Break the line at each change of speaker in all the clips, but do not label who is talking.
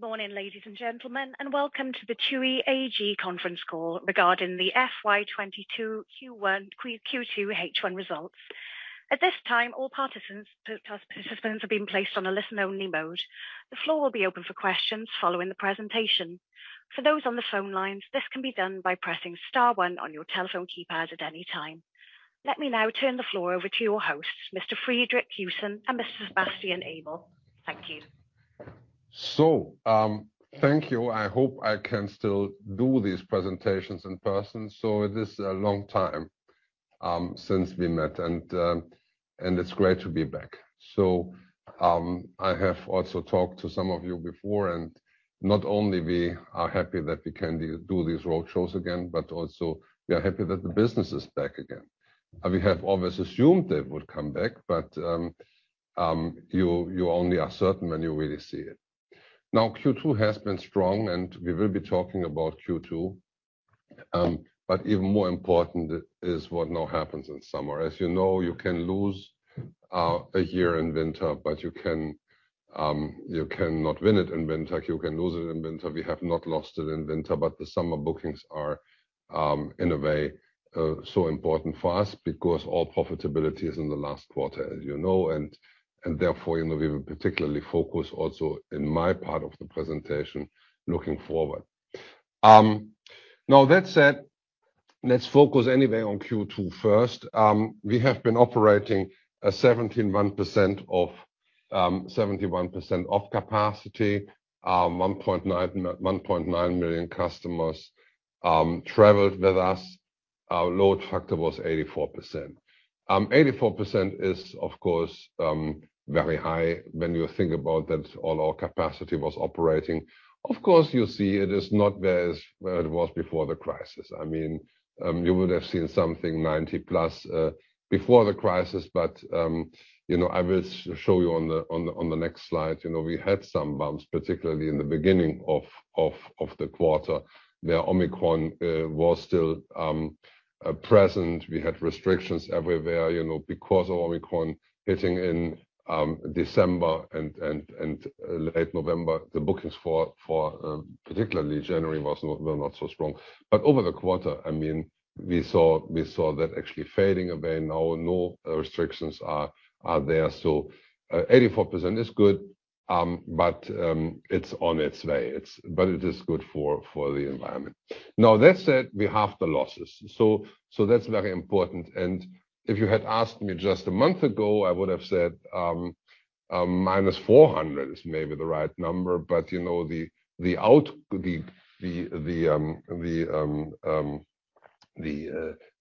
Good morning, ladies and gentlemen, and welcome to the TUI AG Conference Call regarding the FY 2022 Q2, H1 Results. At this time, all participants are being placed on a listen only mode. The floor will be open for questions following the presentation. For those on the phone lines, this can be done by pressing star one on your telephone keypad at any time. Let me now turn the floor over to your hosts, Mr. Friedrich Joussen and Mr. Sebastian Ebel. Thank you.
Thank you. I hope I can still do these presentations in person. It is a long time since we met and it's great to be back. I have also talked to some of you before, and not only we are happy that we can do these road shows again, but also we are happy that the business is back again. We have always assumed it would come back, but you only are certain when you really see it. Q2 has been strong and we will be talking about Q2. Even more important is what now happens in summer. As you know, you can lose a year in winter, but you can not win it in winter, you can lose it in winter. We have not lost it in winter, but the summer bookings are in a way so important for us because all profitability is in the last quarter, as you know, and therefore, you know, we will particularly focus also in my part of the presentation looking forward. Now that said, let's focus anyway on Q2 first. We have been operating at 71% of capacity. 1.9 million customers traveled with us. Our load factor was 84%. 84% is of course very high when you think about that all our capacity was operating. Of course, you see it is not where it was before the crisis. I mean, you would have seen something 90%+ before the crisis. You know, I will show you on the next slide. You know, we had some bumps, particularly in the beginning of the quarter, where Omicron was still present. We had restrictions everywhere, you know, because of Omicron hitting in December and late November. The bookings for particularly January were not so strong. Over the quarter, I mean, we saw that actually fading away. Now, no restrictions are there. 84% is good, but it's on its way. It is good for the environment. Now, that said, we have the losses. That's very important. If you had asked me just a month ago, I would have said, minus 400 million is maybe the right number. You know the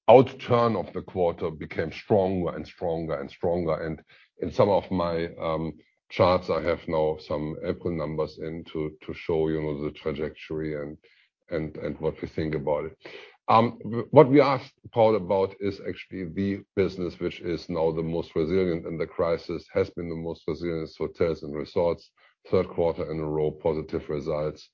outturn of the quarter became stronger and stronger and stronger. In some of my charts, I have now some April numbers in to show you know the trajectory and what we think about it. What we are proud about is actually the business which is now the most resilient in the crisis, has been the most resilient. Hotels & Resorts, third quarter in a row positive results.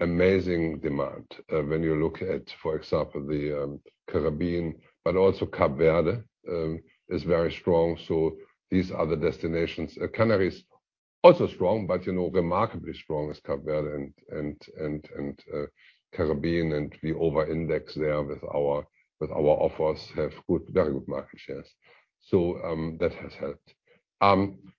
Amazing demand when you look at, for example, the Caribbean, but also Cape Verde, is very strong. These are the destinations. Canary is also strong, but you know, remarkably strong is Cape Verde and Caribbean, and we over-index there with our offers, have good, very good market shares. That has helped.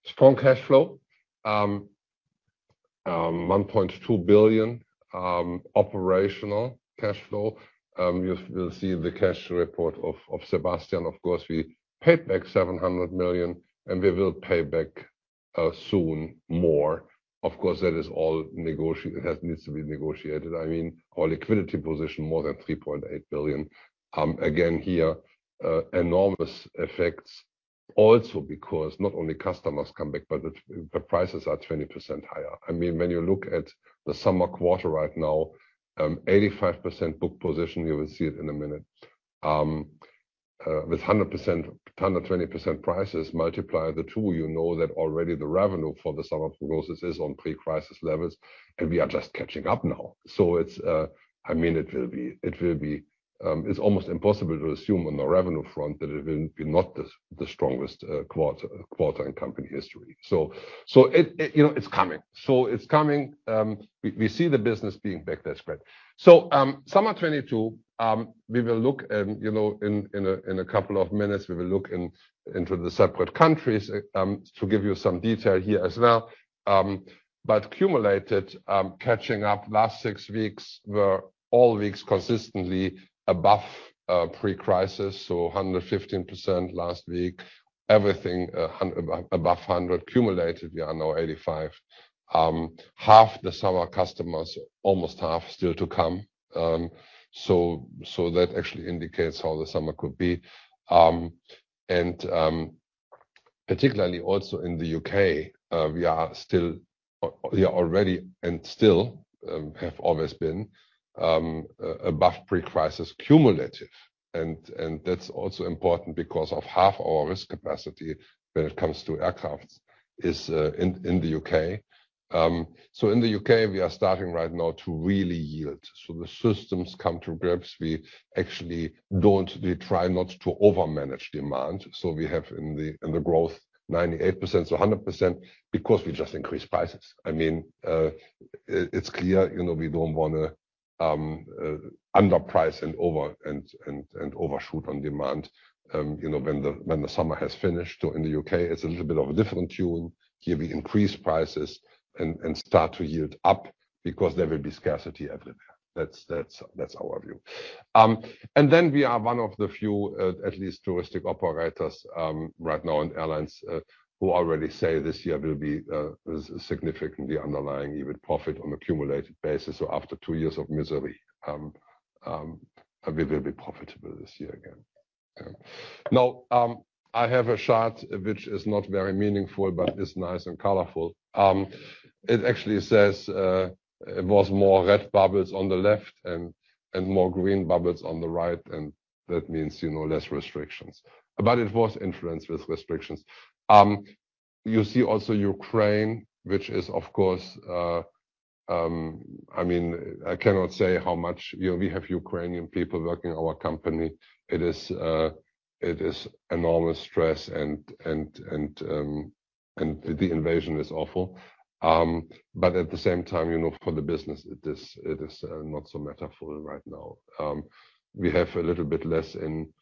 Strong cash flow. 1.2 billion operational cash flow. You will see the cash report of Sebastian. Of course, we paid back 700 million, and we will pay back soon more. Of course, that is all that needs to be negotiated. I mean, our liquidity position more than 3.8 billion. Again here, enormous effects also because not only customers come back, but the prices are 20% higher. I mean, when you look at the summer quarter right now, 85% book position, you will see it in a minute. With 100%-120% prices multiply the two, you know that already the revenue for the summer prognosis is on pre-crisis levels, and we are just catching up now. It's almost impossible to assume on the revenue front that it will be not the strongest quarter in company history. It, you know, it's coming. We see the business being back. That's great. Summer 2022, we will look, you know, in a couple of minutes, we will look into the separate countries to give you some detail here as well. Cumulated catching up last six weeks were all weeks consistently above pre-crisis, so 115% last week. Everything above 100% cumulated, we are now 85%. Half the summer customers, almost half still to come. That actually indicates how the summer could be. Particularly also in the U.K., we are already and still have always been above pre-crisis cumulative, and that's also important because half our risk capacity when it comes to aircraft is in the U.K. In the U.K., we are starting right now to really yield. The systems come to grips. We actually try not to over-manage demand. We have in the growth 98%-100% because we just increased prices. I mean, it's clear, you know, we don't wanna underprice and overshoot on demand. You know, when the summer has finished. In the U.K. it's a little bit of a different tune. Here we increase prices and start to yield up because there will be scarcity everywhere. That's our view. We are one of the few at least tour operators right now and airlines who already say this year will be significantly underlying EBIT profit on accumulated basis. After two years of misery, we will be profitable this year again. Now, I have a chart which is not very meaningful, but is nice and colorful. It actually says it was more red bubbles on the left and more green bubbles on the right, and that means, you know, less restrictions. It was influenced with restrictions. You see also Ukraine, which is of course. I mean, I cannot say how much, you know, we have Ukrainian people working in our company. It is enormous stress and the invasion is awful. At the same time, you know, for the business, it is not so material right now. We have a little bit less in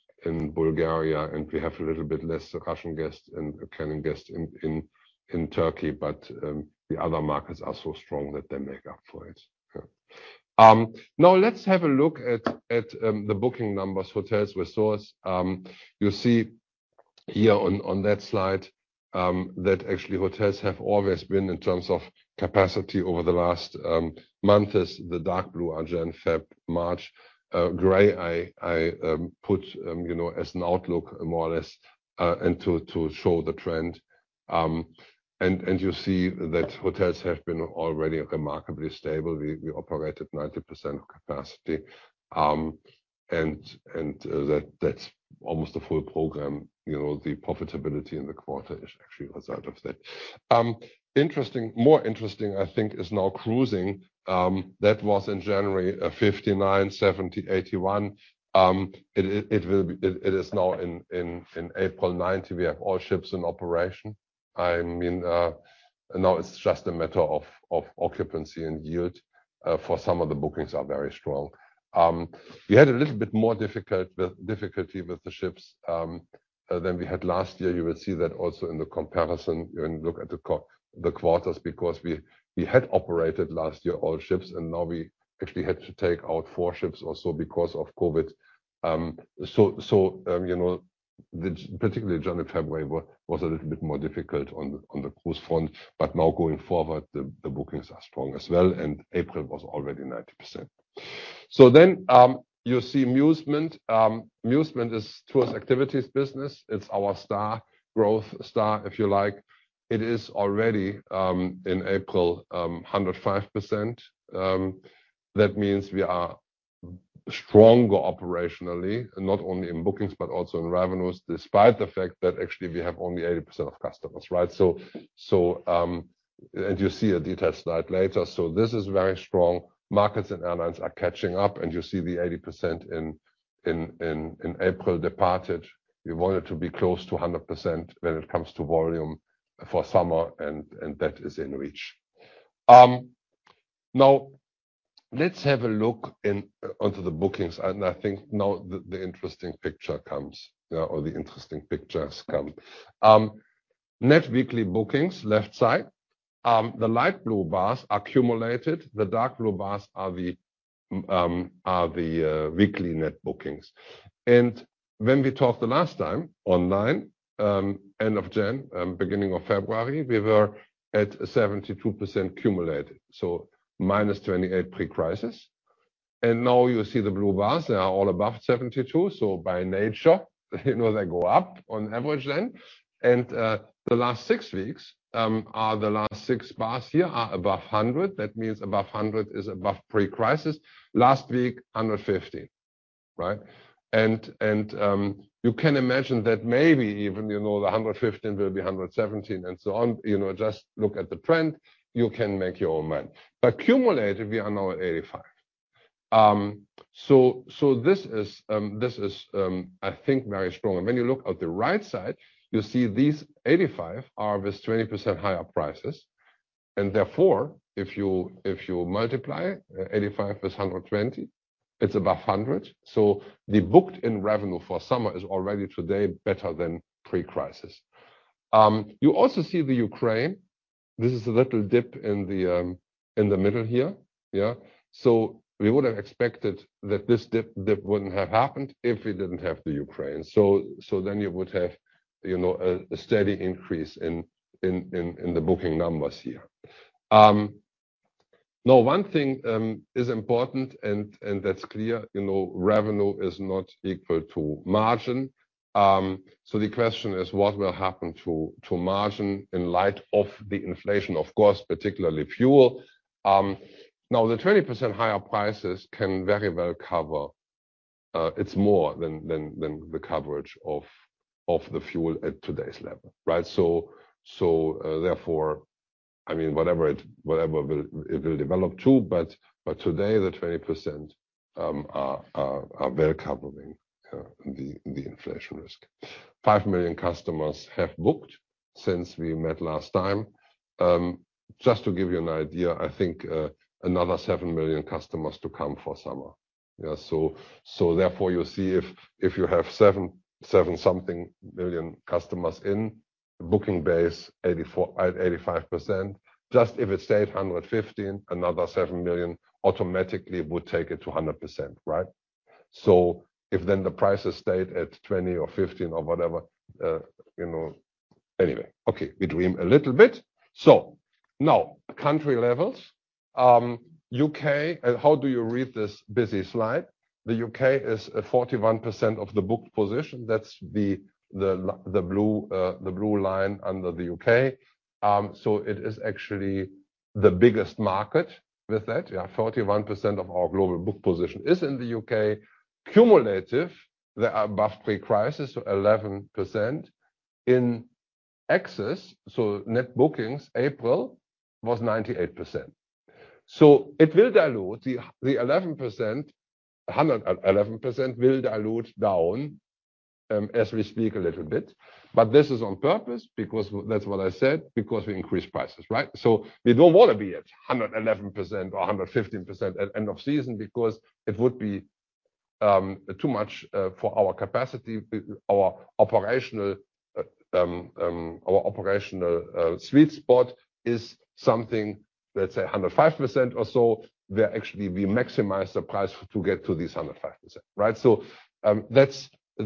Bulgaria, and we have a little bit less Russian guests and Ukrainian guests in Turkey, but the other markets are so strong that they make up for it. Yeah. Now let's have a look at the booking numbers, hotels we source. You see here on that slide that actually hotels have always been in terms of capacity over the last months. The dark blue are Jan, Feb, March. Gray, I put you know, as an outlook more or less, and to show the trend. You see that hotels have been already remarkably stable. We operate at 90% of capacity, and that's almost a full program. You know, the profitability in the quarter is actually a result of that. More interesting, I think, is now cruising. That was in January, 59%, 70%, 81%. It is now in April 90%. We have all ships in operation. I mean, now it's just a matter of occupancy and yield, for some of the bookings are very strong. We had a little bit more difficulty with the ships than we had last year. You will see that also in the comparison when you look at the quarters, because we had operated last year all ships, and now we actually had to take out four ships or so because of COVID. You know, particularly January, February was a little bit more difficult on the cruise front. Now going forward, the bookings are strong as well, and April was already 90%. You see Musement. Musement is TUI's activities business. It's our star, if you like. It is already in April 105%. That means we are stronger operationally, not only in bookings, but also in revenues, despite the fact that actually we have only 80% of customers, right? You'll see a detailed slide later. This is very strong. Markets & Airlines are catching up, and you see the 80% in April departed. We want it to be close to 100% when it comes to volume for summer, and that is in reach. Now let's have a look onto the bookings, and I think now the interesting picture comes, or the interesting pictures come. Net weekly bookings, left side. The light blue bars are accumulated. The dark blue bars are the weekly net bookings. When we talked the last time online, end of January, beginning of February, we were at 72% cumulative, so -28% pre-crisis. Now you see the blue bars, they are all above 72%, so by nature you know they go up on average then. The last six weeks are the last six bars here above 100%. That means above 100% is above pre-crisis. Last week, 150%, right? You can imagine that maybe even, you know, the 115% will be 117% and so on. You know, just look at the trend. You can make up your own mind. Cumulative, we are now at 85%. This is, I think very strong. When you look at the right side, you see these 85% are with 20% higher prices. Therefore, if you multiply 85% with 120%, it's above 100%. The booked in revenue for summer is already today better than pre-crisis. You also see Ukraine. This is a little dip in the middle here. We would have expected that this dip wouldn't have happened if we didn't have the Ukraine. Then you would have, you know, a steady increase in the booking numbers here. Now one thing is important and that's clear, you know, revenue is not equal to margin. The question is what will happen to margin in light of the inflation, of course, particularly fuel. Now the 20% higher prices can very well cover, it's more than the coverage of the fuel at today's level, right? Therefore, I mean, whatever it will develop to, but today the 20% are well covering the inflation risk. 5 million customers have booked since we met last time. Just to give you an idea, I think another 7 million customers to come for summer. Yeah, therefore, you see if you have something 7 million customers in booking base 84% at 85%. Just if it stayed 115%, another 7 million automatically would take it to 100%, right? If then the prices stayed at 20% or 15% or whatever, you know. Anyway, okay, we dream a little bit. Now country levels. U.K., how do you read this busy slide? The U.K. is at 41% of the booked position. That's the blue line under the U.K. So it is actually the biggest market with that. Yeah, 41% of our global book position is in the U.K. Cumulative, they are above pre-crisis, 11%. In excess, net bookings, April was 98%. It will dilute the 11%-- 111% will dilute down as we speak a little bit. This is on purpose because that's what I said, because we increased prices, right? We don't wanna be at 111% or 115% at end of season because it would be too much for our capacity. Our operational sweet spot is something, let's say 105% or so, where actually we maximize the price to get to this 105%, right? That's a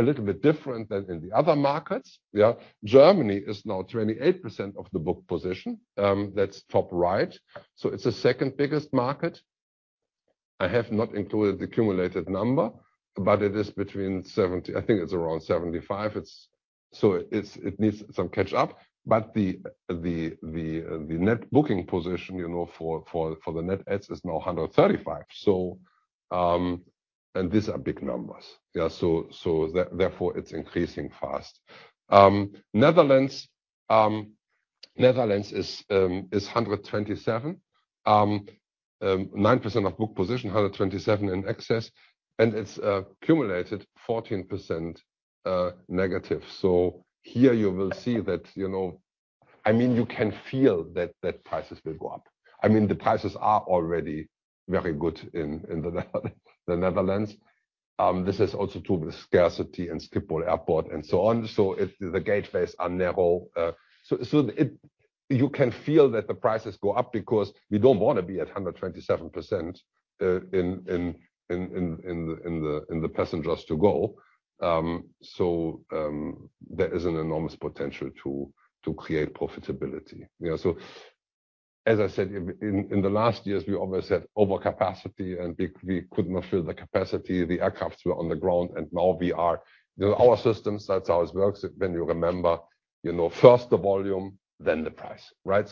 little bit different than in the other markets. Yeah. Germany is now 28% of the booked position. That's top right. It's the second biggest market. I have not included the cumulative number, but it is between 70%-75%. It needs some catch up. The net booking position, you know, for the net adds is now 135%. These are big numbers. Yeah, therefore, it's increasing fast. Netherlands. Netherlands is 127%. 9% of booked position, 127% in excess, and it's cumulative 14% negative. Here you will see that, you know. I mean, you can feel that prices will go up. I mean, the prices are already very good in the Netherlands. This is also true with scarcity and Schiphol Airport and so on. It's the gateways are narrow. You can feel that the prices go up because we don't wanna be at 127%, in the passengers to go. There is an enormous potential to create profitability. You know, as I said, in the last years, we always had overcapacity, and we could not fill the capacity. The aircraft were on the ground, and now we are. You know, our systems, that's how it works. When you remember, you know, first the volume, then the price, right?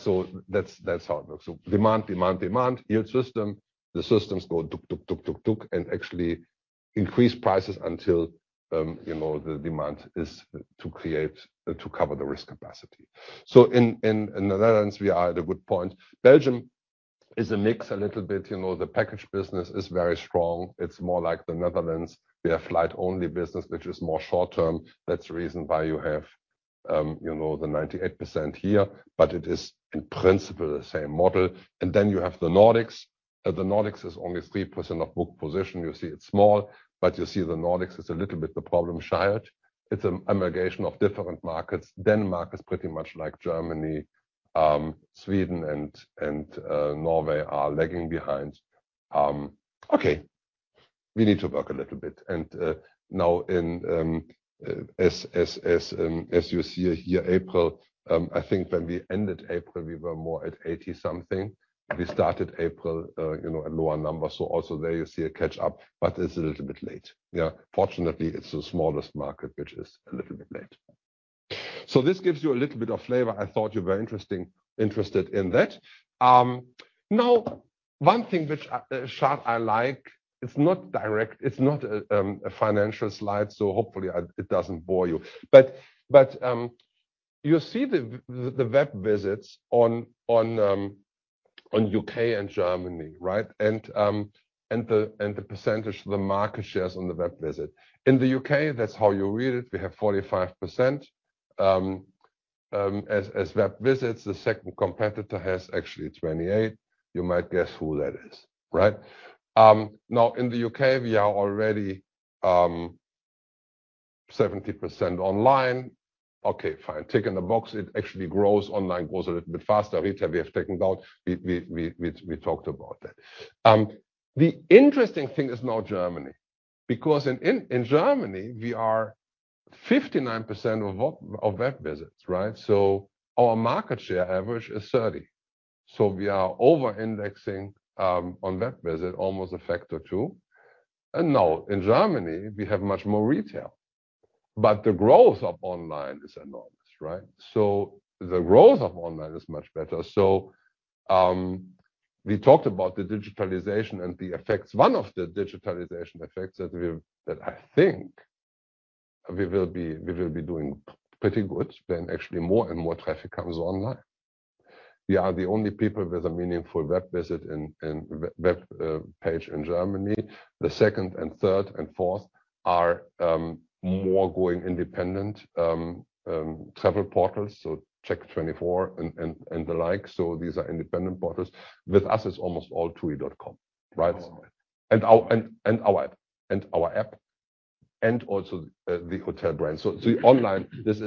That's how it works. Demand yield system. The systems go tuk, tuk, tuk and actually increase prices until, you know, the demand is to create to cover the risk capacity. In Netherlands, we are at a good point. Belgium is a mix a little bit. You know, the package business is very strong. It's more like the Netherlands. We have flight only business, which is more short-term. That's the reason why you have the 98% here, but it is in principle the same model. You have the Nordics. The Nordics is only 3% of booked position. You see it's small, but you see the Nordics is a little bit the problem child. It's a migration of different markets. Denmark is pretty much like Germany. Sweden and Norway are lagging behind. Okay, we need to work a little bit. Now, as you see here, April, I think when we ended April, we were more at 80%-something. We started April at lower numbers. Also there you see a catch up, but it's a little bit late. Yeah. Fortunately, it's the smallest market which is a little bit late. This gives you a little bit of flavor. I thought you were interested in that. Now one thing which chart I like, it's not direct, it's not a financial slide, so hopefully it doesn't bore you. You see the web visits on U.K. and Germany, right? And the percentage, the market shares on the web visit. In the U.K., that's how you read it. We have 45% as web visits. The second competitor has actually 28%. You might guess who that is, right? Now in the U.K., we are already 70% online. Okay, fine. Tick in the box. It actually grows online, grows a little bit faster. Retail, we have taken down. We talked about that. The interesting thing is now Germany, because in Germany, we are 59% of web visits, right? Our market share average is 30%. We are over-indexing on web visits almost a factor two. Now in Germany, we have much more retail, but the growth of online is enormous, right? The growth of online is much better. We talked about the digitalization and the effects. One of the digitalization effects that I think we will be doing pretty good when actually more and more traffic comes online. We are the only people with a meaningful web visit and web page in Germany. The second and third and fourth are more going independent travel portals, so CHECK24 and the like. These are independent portals. With us it's almost all TUI.com, right?
Yes.
And also the hotel brand. Online this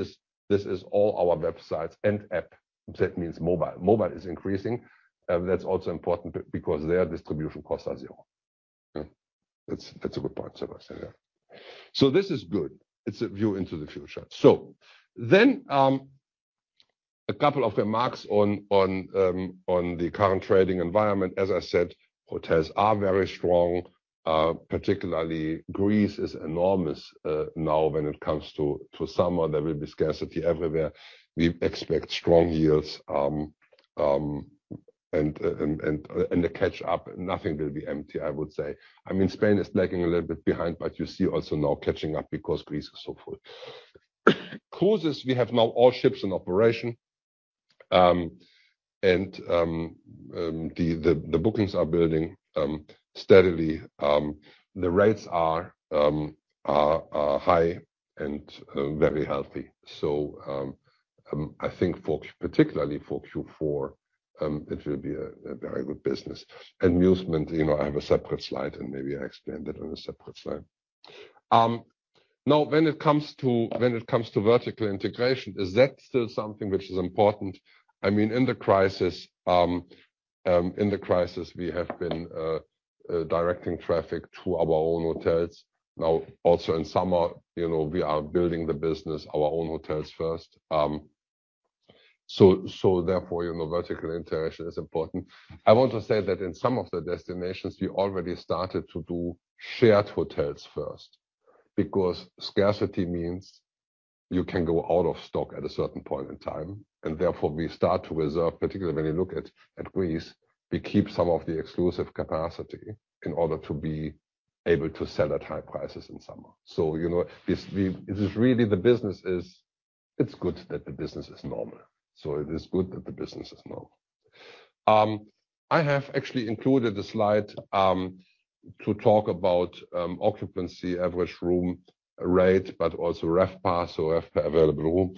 is all our websites and app. That means mobile. Mobile is increasing. That's also important because their distribution costs are zero. That's a good point, Sebastian, yeah. This is good. It's a view into the future. A couple of remarks on the current trading environment. As I said, hotels are very strong, particularly Greece is enormous, now when it comes to summer. There will be scarcity everywhere. We expect strong yields, and the catch up, nothing will be empty, I would say. I mean, Spain is lagging a little bit behind, but you see also now catching up because Greece is so full. Cruises, we have now all ships in operation, and the bookings are building steadily. The rates are high and very healthy. I think particularly for Q4, it will be a very good business. Musement, you know, I have a separate slide and maybe I explain that on a separate slide. Now when it comes to vertical integration, is that still something which is important? I mean, in the crisis, we have been directing traffic to our own hotels. Now also in summer, you know, we are building the business our own hotels first. Therefore, you know, vertical integration is important. I want to say that in some of the destinations we already started to do shared hotels first because scarcity means you can go out of stock at a certain point in time, and therefore we start to reserve, particularly when you look at Greece, we keep some of the exclusive capacity in order to be able to sell at high prices in summer. You know, this is really the business is. It's good that the business is normal. It is good that the business is normal. I have actually included a slide to talk about occupancy, average room rate, but also RevPAR, so RevPAR,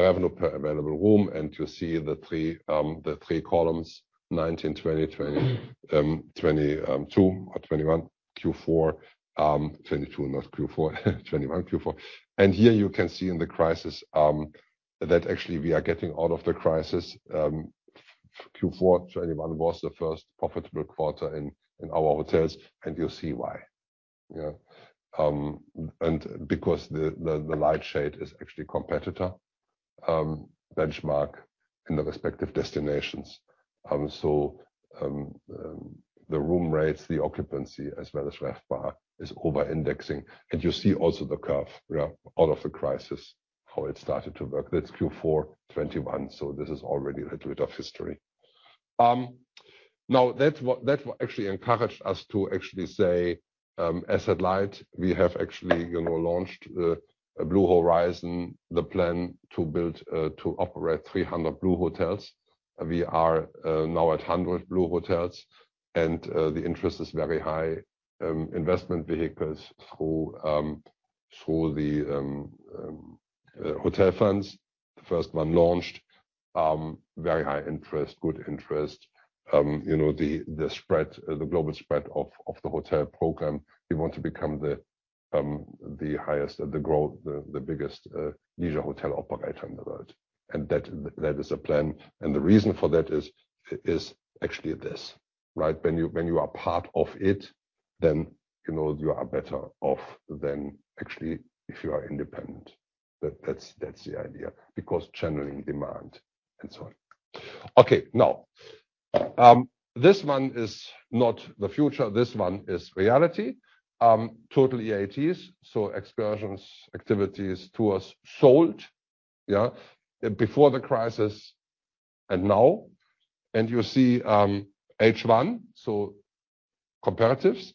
revenue per available room. You see the three columns, 2019, 2020, 2022 or 2021 Q4. 2022 not Q4. 2021 Q4. Here you can see in the crisis that actually we are getting out of the crisis. Q4 2021 was the first profitable quarter in our hotels and you'll see why. Because the light shade is actually competitor benchmark in the respective destinations. The room rates, the occupancy as well as RevPAR is over-indexing. You see also the curve out of the crisis, how it started to work. That's Q4 2021, so this is already a little bit of history. Now what actually encouraged us to actually say asset light. We have actually, you know, launched TUI BLUE Horizon, the plan to operate 300 TUI BLUE hotels. We are now at 100 TUI BLUE hotels and the interest is very high. Investment vehicles through the hotel funds. The first one launched very high interest, good interest. You know, the global spread of the hotel program, we want to become the biggest leisure hotel operator in the world. That is a plan. The reason for that is actually this, right? When you are part of it, then, you know, you are better off than actually if you are independent. That's the idea. Because channeling demand and so on. Okay, now, this one is not the future. This one is reality. Total EATs, so excursions, activities, tours sold, yeah, before the crisis and now. You see, H1, so comparatives.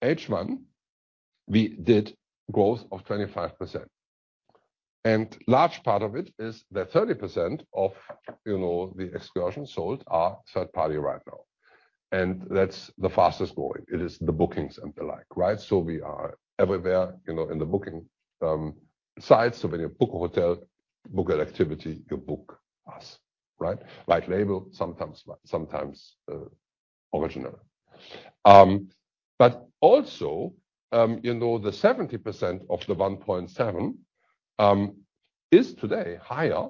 H1, we did growth of 25%. Large part of it is that 30% of, you know, the excursions sold are third party right now. That's the fastest growing. It is the bookings and the like, right? We are everywhere, you know, in the booking sites. When you book a hotel, book an activity, you book us, right? White label sometimes, original. Also, you know, the 70% of the 1.7 is today higher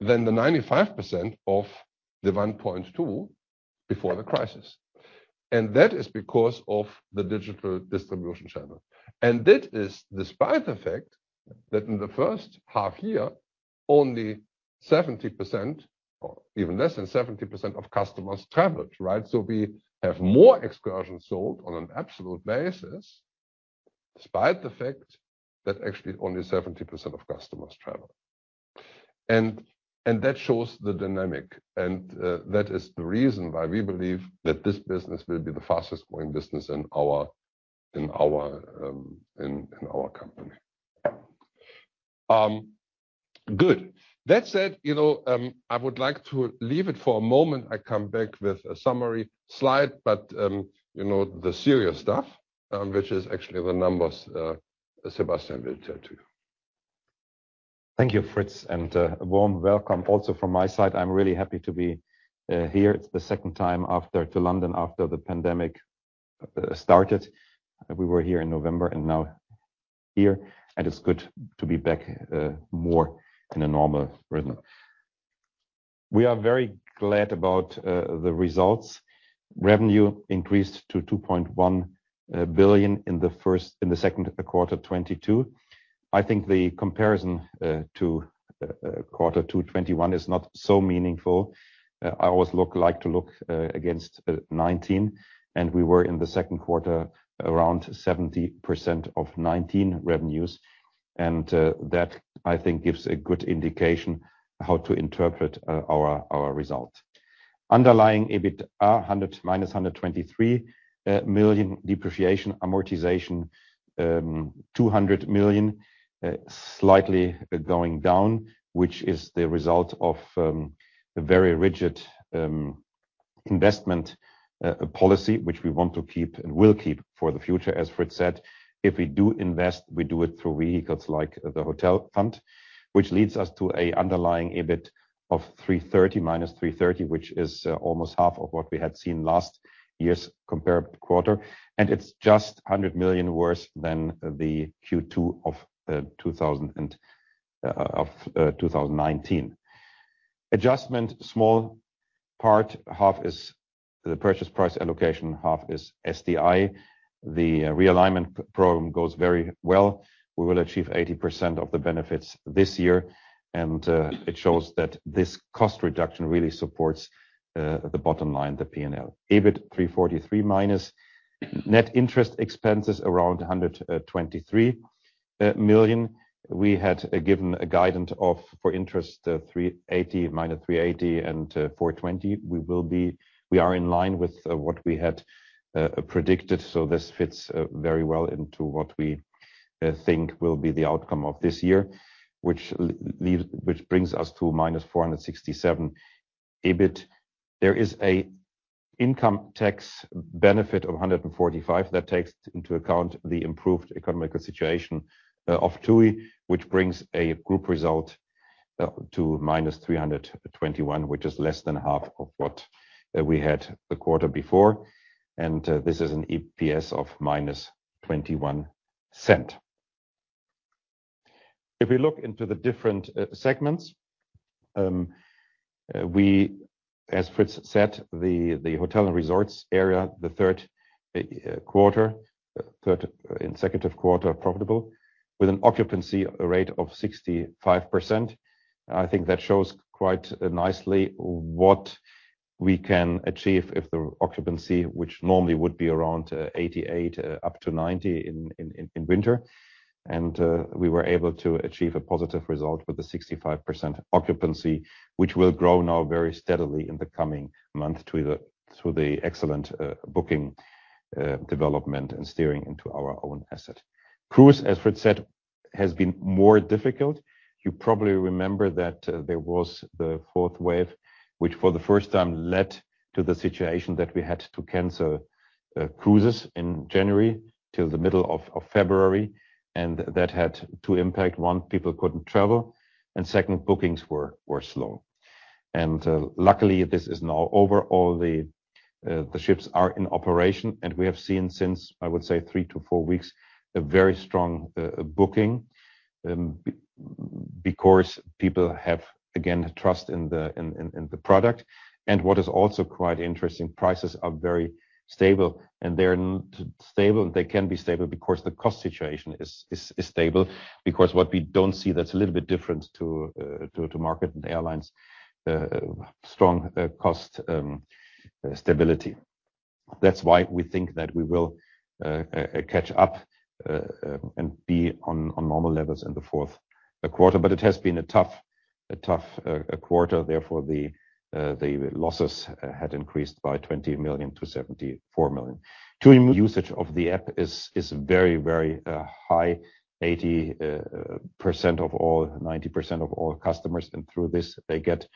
than the 95% of the 1.2 before the crisis. That is because of the digital distribution channel. That is despite the fact that in the first half year, only 70% or even less than 70% of customers traveled, right? We have more excursions sold on an absolute basis despite the fact that actually only 70% of customers travel. That shows the dynamic. That is the reason why we believe that this business will be the fastest-growing business in our company. Good. That said, you know, I would like to leave it for a moment. I come back with a summary slide, but, you know, the serious stuff, which is actually the numbers, Sebastian will tell you.
Thank you, Fritz, and a warm welcome also from my side. I'm really happy to be here. It's the second time back to London after the pandemic started. We were here in November and now here, and it's good to be back more in a normal rhythm. We are very glad about the results. Revenue increased to 2.1 billion in the second quarter 2022. I think the comparison to quarter two 2021 is not so meaningful. I always like to look against 2019, and we were in the second quarter around 70% of 2019 revenues. That I think gives a good indication how to interpret our result. Underlying EBIT are minus 123 million depreciation, amortization, 200 million, slightly going down, which is the result of a very rigid investment policy, which we want to keep and will keep for the future. As Fritz said, if we do invest, we do it through vehicles like the hotel fund, which leads us to an underlying EBIT of minus 330 million, which is almost half of what we had seen last year's comparable quarter. It's just 100 million worse than the Q2 of 2019. Adjustment, small part. Half is the purchase price allocation, half is SDI. The realignment program goes very well. We will achieve 80% of the benefits this year and it shows that this cost reduction really supports the bottom line, the P&L. EBIT 343 million net interest expenses around 123 million. We had given a guidance of for interest 380 million - 380 million and 420 million. We are in line with what we had predicted, so this fits very well into what we think will be the outcome of this year, which brings us to minus 467 million EBIT. There is an income tax benefit of 145 million that takes into account the improved economic situation of TUI, which brings the group result to minus 321 million, which is less than half of what we had the quarter before. This is an EPS of minus 0.21. If we look into the different segments, we, as Fritz said, the Hotels & Resorts area, the third quarter, third consecutive quarter profitable with an occupancy rate of 65%. I think that shows quite nicely what we can achieve if the occupancy, which normally would be around 88% up to 90% in winter. We were able to achieve a positive result with the 65% occupancy, which will grow now very steadily in the coming month through the excellent booking development and steering into our own asset. Cruises, as Fritz said, has been more difficult. You probably remember that there was the fourth wave, which for the first time led to the situation that we had to cancel cruises in January till the middle of February. That had two impacts. One, people couldn't travel, and second, bookings were slow. Luckily, this is now over. All the ships are in operation, and we have seen since, I would say three to four weeks, a very strong booking because people have again trust in the product. What is also quite interesting, prices are very stable, and they're not stable. They can be stable because the cost situation is stable because what we don't see that's a little bit different to Markets & Airlines, strong cost stability. That's why we think that we will catch up and be on normal levels in the fourth quarter. It has been a tough quarter. Therefore, the losses had increased by 20 million to 74 million. TUI Musement of the app is very high. 80% of all 90% of all customers and through this, they get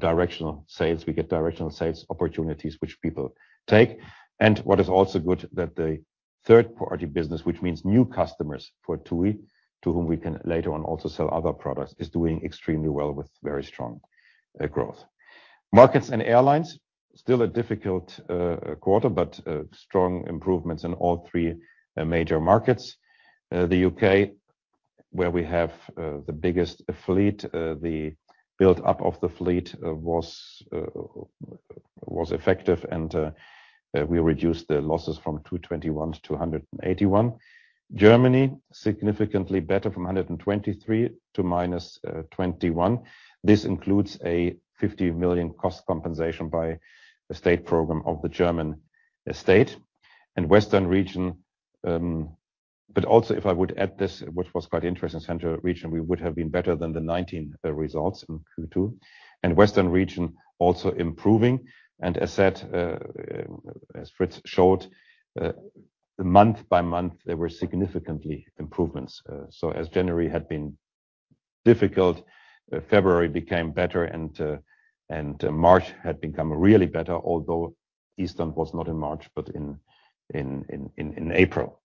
additional sales. We get additional sales opportunities which people take. What is also good that the third-party business, which means new customers for TUI, to whom we can later on also sell other products, is doing extremely well with very strong growth. Markets & Airlines, still a difficult quarter, but strong improvements in all three major markets. The U.K., where we have the biggest fleet, the build up of the fleet was effective and we reduced the losses from 221 million to 281 million. Germany, significantly better from 123 million to minus 21 million. This includes a 50 million cost compensation by the state program of the German State. Western region. Also if I would add this, which was quite interesting, central region, we would have been better than the 2019 results in Q2. Western region also improving. As said, as Fritz showed, month by month, there were significantly improvements. As January had been difficult, February became better and March had become really better, although Eastern was not in March, but in April.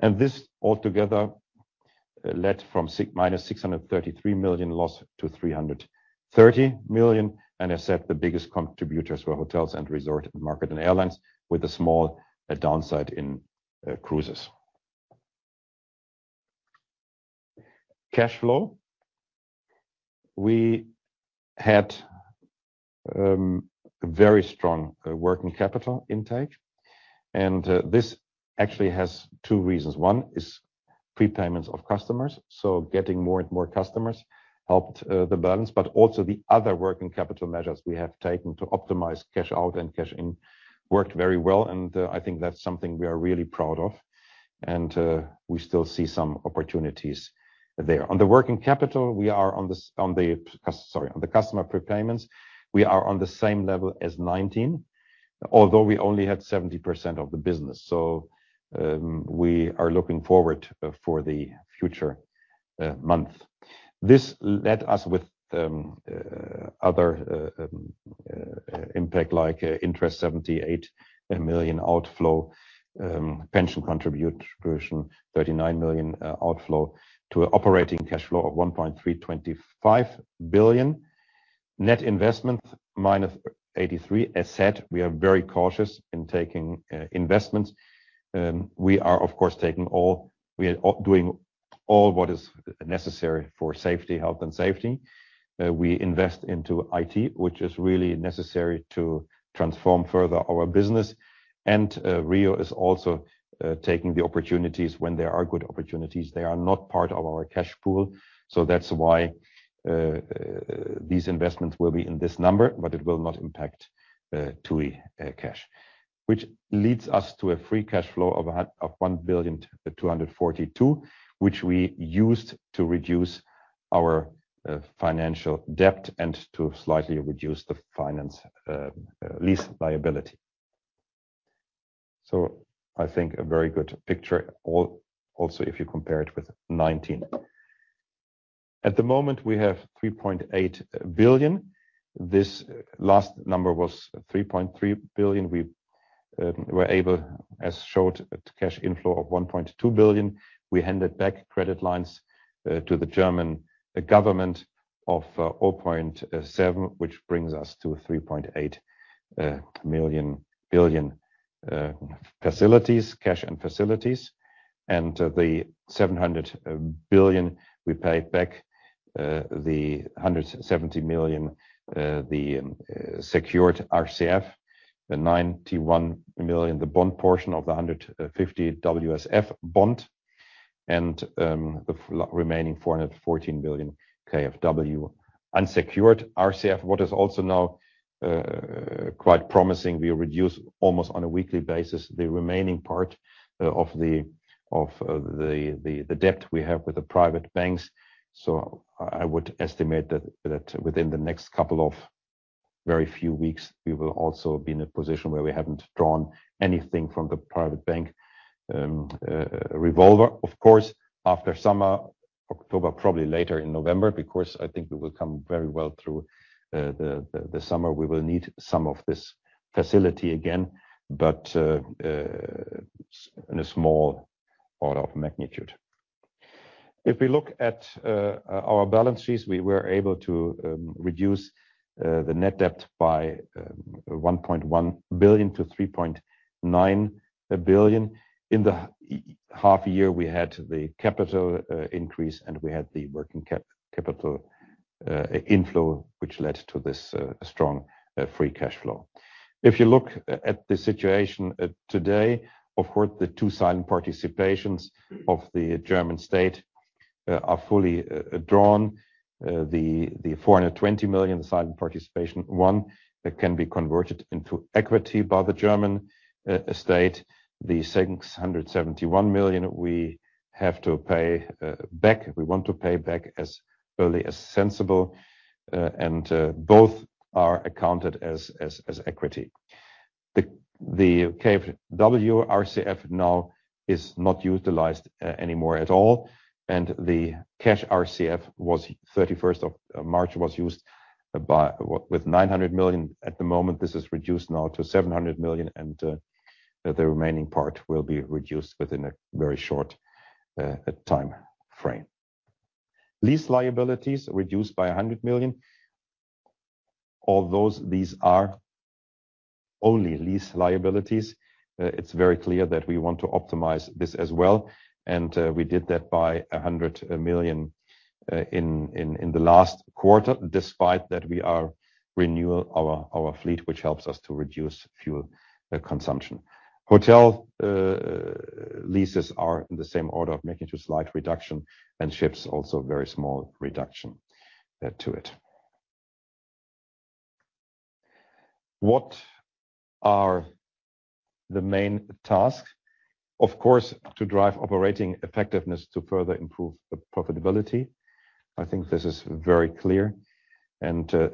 This altogether led from a minus 633 million loss to 330 million. As said, the biggest contributors were Hotels & Resorts, Markets & Airlines with a small downside in Cruises. Cash flow. We had very strong working capital intake, and this actually has two reasons. One is prepayments of customers. Getting more and more customers helped the balance, but also the other working capital measures we have taken to optimize cash out and cash in worked very well, and I think that's something we are really proud of. We still see some opportunities there. On the working capital, we are on the customer prepayments. On the customer prepayments, we are on the same level as 2019, although we only had 70% of the business. We are looking forward for the future month. This leaves us with other impacts like interest 78 million outflow, pension contribution 39 million outflow to operating cash flow of 1.325 billion. Net investment minus 83 million. As said, we are very cautious in taking investments. We are, of course, doing all what is necessary for safety, health and safety. We invest into IT, which is really necessary to transform further our business. RIU is also taking the opportunities when there are good opportunities. They are not part of our cash pool, so that's why these investments will be in this number, but it will not impact TUI cash. Which leads us to a free cash flow of 1.242 billion, which we used to reduce our financial debt and to slightly reduce the finance lease liability. I think a very good picture also if you compare it with 2019. At the moment, we have 3.8 billion. This last number was 3.3 billion. We were able, as shown, cash inflow of 1.2 billion. We handed back credit lines to the German government of 0.7 billion, which brings us to 3.8 billion facilities, cash and facilities. The 700 million we paid back, the 170 million secured RCF, the 91 million, the bond portion of the 150 million WSF bond, and the remaining 414 million KfW unsecured RCF. What is also now quite promising, we reduce almost on a weekly basis the remaining part of the debt we have with the private banks. I would estimate that within the next couple of very few weeks, we will also be in a position where we haven't drawn anything from the private bank revolver. Of course, after summer, October, probably later in November, because I think we will come very well through the summer, we will need some of this facility again, but in a small order of magnitude. If we look at our balance sheets, we were able to reduce the net debt by 1.1 billion-3.9 billion. In the half year, we had the capital increase and we had the working capital inflow, which led to this strong free cash flow. If you look at the situation today, of course, the two silent participations of the German state are fully drawn. The 420 million silent participation, one that can be converted into equity by the German state. The 671 million we have to pay back. We want to pay back as early as sensible, and both are accounted as equity. The KfW RCF now is not utilized anymore at all, and the cash RCF as at 31 March was used with 900 million. At the moment, this is reduced now to 700 million and the remaining part will be reduced within a very short timeframe. Lease liabilities reduced by 100 million. Although these are only lease liabilities, it's very clear that we want to optimize this as well, and we did that by 100 million in the last quarter, despite that we are renewing our fleet, which helps us to reduce fuel consumption. Hotel leases are in the same order of magnitude, slight reduction, and ships also very small reduction to it. What are the main tasks? Of course, to drive operating effectiveness to further improve the profitability. I think this is very clear. To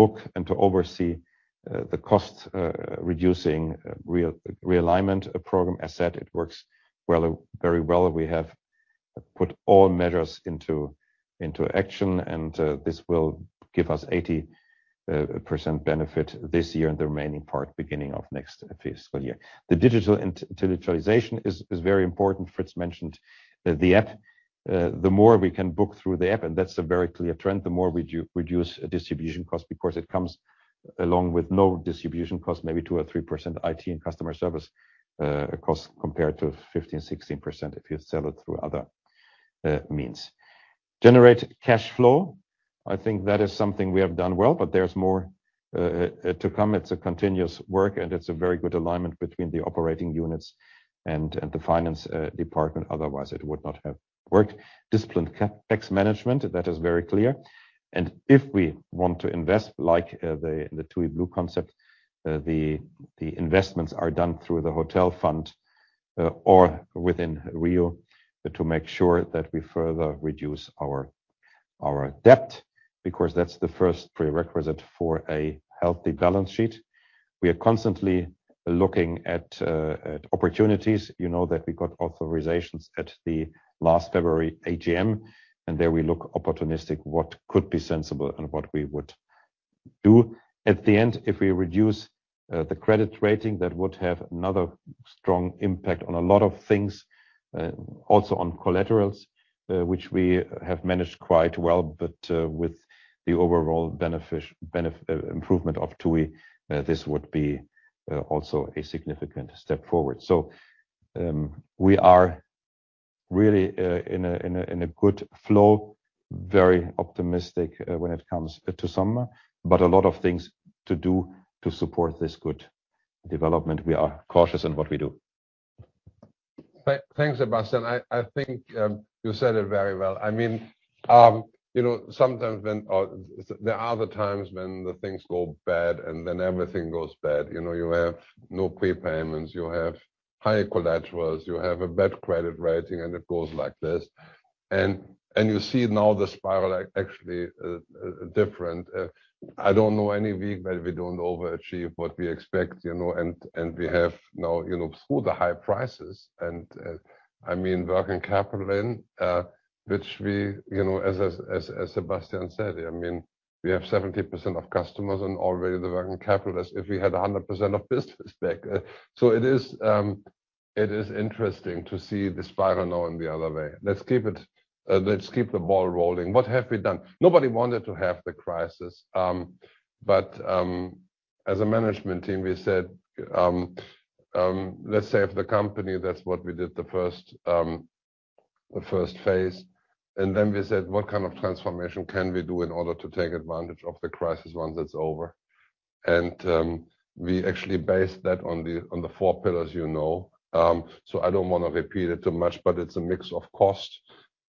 look and to oversee the cost reducing realignment program. As said, it works well, very well. We have put all measures into action, and this will give us 80% benefit this year and the remaining part beginning of next fiscal year. The digitalization is very important. Fritz mentioned the app. The more we can book through the app, and that's a very clear trend, the more reduce distribution cost because it comes along with no distribution cost, maybe 2% or 3% IT and customer service cost compared to 15%, 16% if you sell it through other means. Generate cash flow. I think that is something we have done well, but there's more to come. It's a continuous work, and it's a very good alignment between the operating units and the finance department. Otherwise, it would not have worked. Discipline CapEx management, that is very clear. If we want to invest like the TUI BLUE concept, the investments are done through the hotel fund or within RIU to make sure that we further reduce our debt, because that's the first prerequisite for a healthy balance sheet. We are constantly looking at opportunities. You know that we got authorizations at the last February AGM, and there we look opportunistic, what could be sensible and what we would do. At the end, if we reduce the credit rating, that would have another strong impact on a lot of things, also on collaterals, which we have managed quite well. With the overall beneficial improvement of TUI, this would be also a significant step forward. We are really in a good flow, very optimistic when it comes to summer, but a lot of things to do to support this good development. We are cautious in what we do.
Thanks, Sebastian. I think you said it very well. I mean, you know, sometimes when there are other times when the things go bad, and then everything goes bad. You know, you have no prepayments, you have high collaterals, you have a bad credit rating, and it goes like this. You see now the spiral actually different. I don't know any week where we don't overachieve what we expect, you know, and we have now, you know, through the high prices and I mean, working capital in which we, you know, as Sebastian said, I mean, we have 70% of customers and already the working capital as if we had 100% of business back. It is interesting to see the spiral now in the other way. Let's keep the ball rolling. What have we done? Nobody wanted to have the crisis. But, as a management team, we said, "Let's save the company." That's what we did the first phase. We said, "What kind of transformation can we do in order to take advantage of the crisis once it's over?" We actually based that on the four pillars, you know. I don't want to repeat it too much, but it's a mix of cost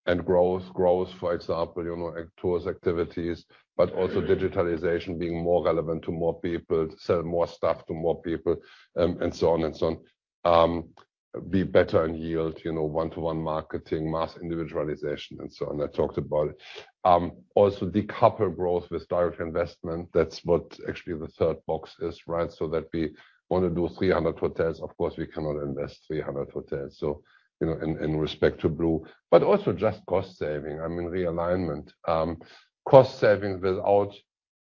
and growth. Growth, for example, you know, tours, activities, but also digitalization being more relevant to more people, sell more stuff to more people, and so on and so on. Be better in yield, you know, one-to-one marketing, mass individualization, and so on. I talked about also decouple growth with direct investment. That's what actually the third box is, right? That we want to do 300 hotels. Of course, we cannot invest 300 hotels. You know, in respect to Blue. Also just cost saving. I mean, realignment. Cost saving without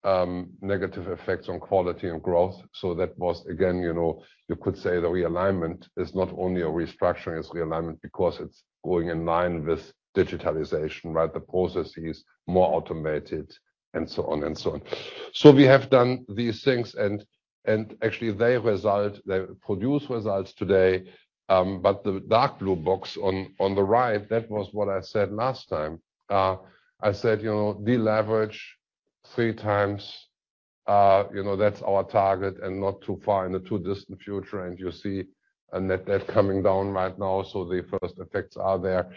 negative effects on quality and growth. That was, again, you know, you could say the realignment is not only a restructuring, it's realignment because it's going in line with digitalization, right? The process is more automated and so on and so on. We have done these things and actually they produce results today. The dark blue box on the right, that was what I said last time. I said, you know, de-leverage 3x, you know, that's our target and not too far in the distant future. You see a net debt coming down right now. The first effects are there.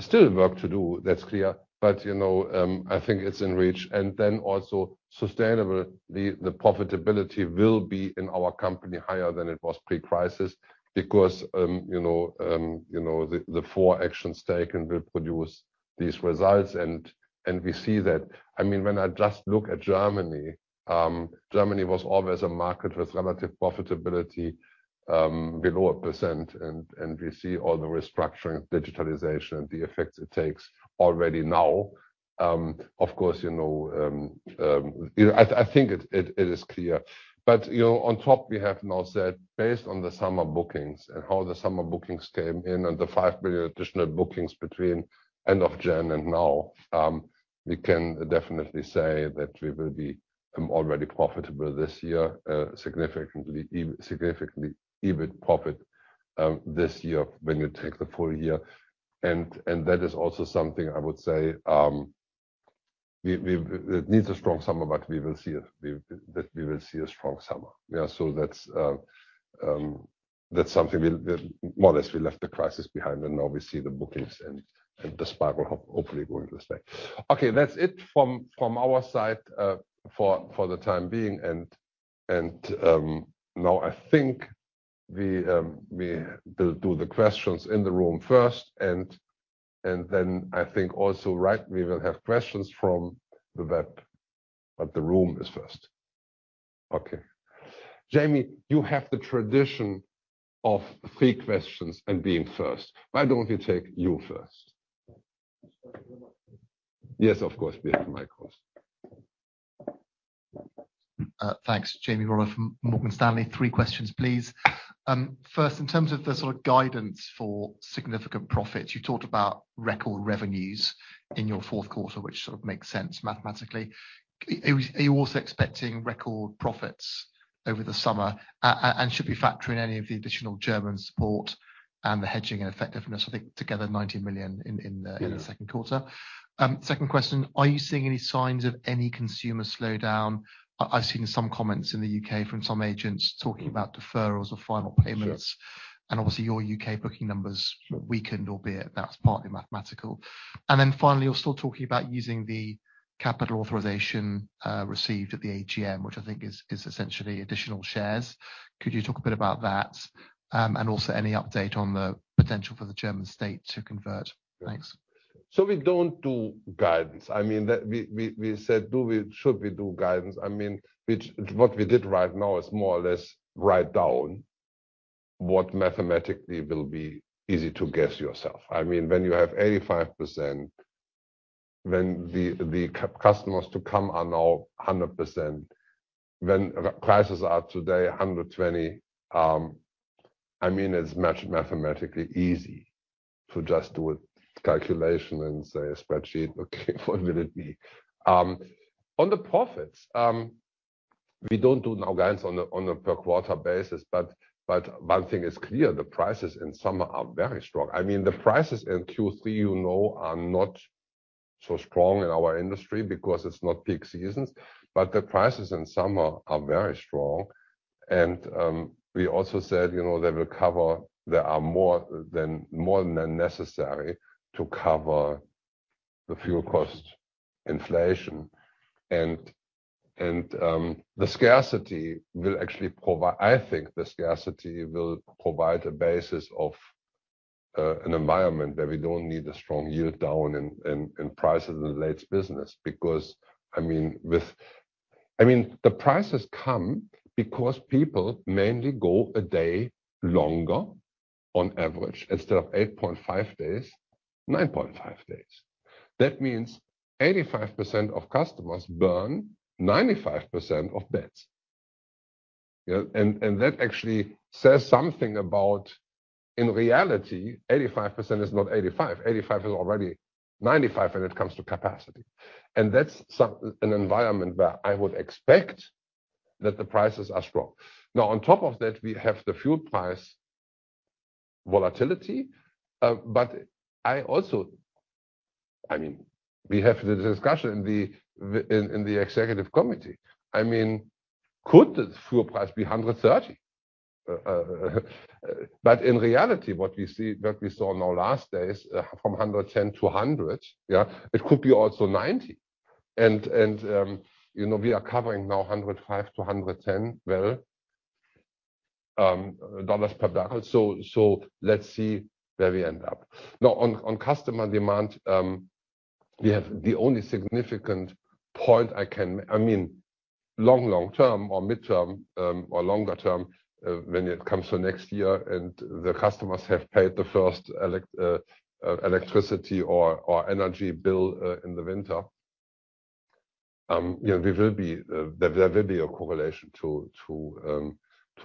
Still work to do. That's clear. You know, I think it's in reach. Then also sustainable, the profitability will be in our company higher than it was pre-crisis because, you know, you know, the four actions taken will produce these results, and we see that. I mean, when I just look at Germany was always a market with relative profitability, below 1%, and we see all the restructuring, digitalization, the effects it takes already now. Of course, you know, you know, I think it is clear. You know, on top, we have now said, based on the summer bookings and how the summer bookings came in and the 5 billion additional bookings between end of January and now, we can definitely say that we will be already profitable this year, significantly EBIT profit, this year when you take the full year. That is also something I would say, It needs a strong summer, but we will see that we will see a strong summer. Yeah. That's something we more or less left the crisis behind, and now we see the bookings and the spark of hope going this way. Okay. That's it from our side for the time being. Now I think we will do the questions in the room first and then I think all right we will have questions from the web, but the room is first. Okay. Jamie, you have the tradition of three questions and being first. Why don't we take you first? Yes, of course. We have the microphones.
Thanks. Jamie Rollo from Morgan Stanley. Three questions, please. First, in terms of the sort of guidance for significant profits, you talked about record revenues in your fourth quarter, which sort of makes sense mathematically. Are you also expecting record profits over the summer? And should we factor in any of the additional German support and the hedging and effectiveness? I think together, 90 million in the second quarter. Second question. Are you seeing any signs of any consumer slowdown? I've seen some comments in the U.K. from some agents talking about deferrals or final payments. Obviously, your U.K. booking numbers weakened, albeit that's partly mathematical. Finally, you're still talking about using the capital authorization received at the AGM, which I think is essentially additional shares. Could you talk a bit about that, and also any update on the potential for the German state to convert? Thanks.
We don't do guidance. I mean, that we said, should we do guidance? I mean, what we did right now is more or less write down what mathematically will be easy to guess yourself. I mean, when you have 85%, when the customers to come are now 100%, when prices are today 120%, I mean, it's mathematically easy to just do a calculation and say a spreadsheet, okay, what will it be? On the profits, we don't do now guidance on a per quarter basis, but one thing is clear, the prices in summer are very strong. I mean, the prices in Q3, you know, are not so strong in our industry because it's not peak seasons. The prices in summer are very strong. We also said, you know, they will cover. They are more than necessary to cover the fuel cost inflation. The scarcity will actually provide a basis of an environment where we don't need a strong yield down in prices in the leisure business. Because, I mean, the prices come because people mainly go a day longer on average. Instead of 8.5 days, 9.5 days. That means 85% of customers burn 95% of beds. You know? That actually says something about, in reality, 85% is not 85%. 85% is already 95% when it comes to capacity. That's an environment where I would expect that the prices are strong. Now, on top of that, we have the fuel price volatility. I also-- I mean, we have the discussion in the executive committee. I mean, could the fuel price be $130? In reality, what we saw now last days, from $110 to $100, yeah, it could be also $90. And, you know, we are covering now $105 to $110, well, dollars per barrel. So let's see where we end up. Now, on customer demand, we have the only significant point I can-- I mean, long term or midterm or longer term, when it comes to next year and the customers have paid the first electricity or energy bill in the winter, you know, we will be there. There will be a correlation to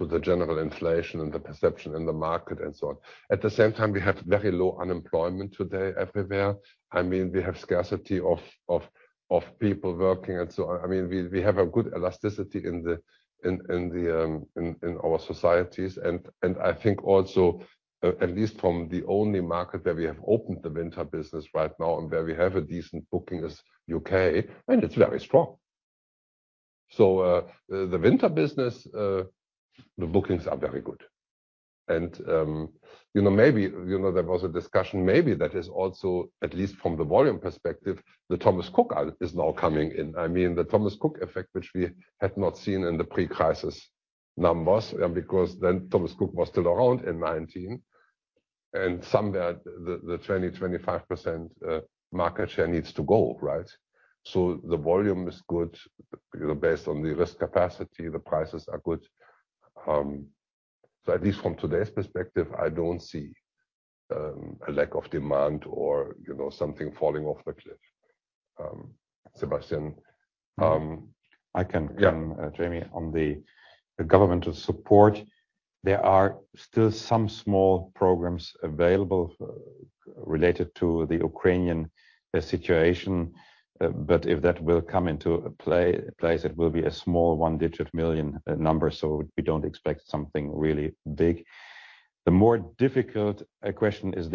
the general inflation and the perception in the market and so on. At the same time, we have very low unemployment today everywhere. I mean, we have scarcity of people working and so on. I mean, we have a good elasticity in our societies. I think also, at least from the only market where we have opened the winter business right now and where we have a decent booking is U.K., and it's very strong. The winter business, the bookings are very good. You know, maybe, you know, there was a discussion maybe that is also, at least from the volume perspective, the Thomas Cook is now coming in. I mean, the Thomas Cook effect, which we had not seen in the pre-crisis numbers, because then Thomas Cook was still around in 2019. Somewhere the 20%-25% market share needs to go, right? The volume is good. You know, based on the risk capacity, the prices are good. At least from today's perspective, I don't see a lack of demand or, you know, something falling off the cliff. Sebastian?
Welcome, Jamie. On the governmental support, there are still some small programs available related to the Ukrainian situation. But if that will come into place, it will be a small one-digit million EUR number. So we don't expect something really big. The more difficult a question is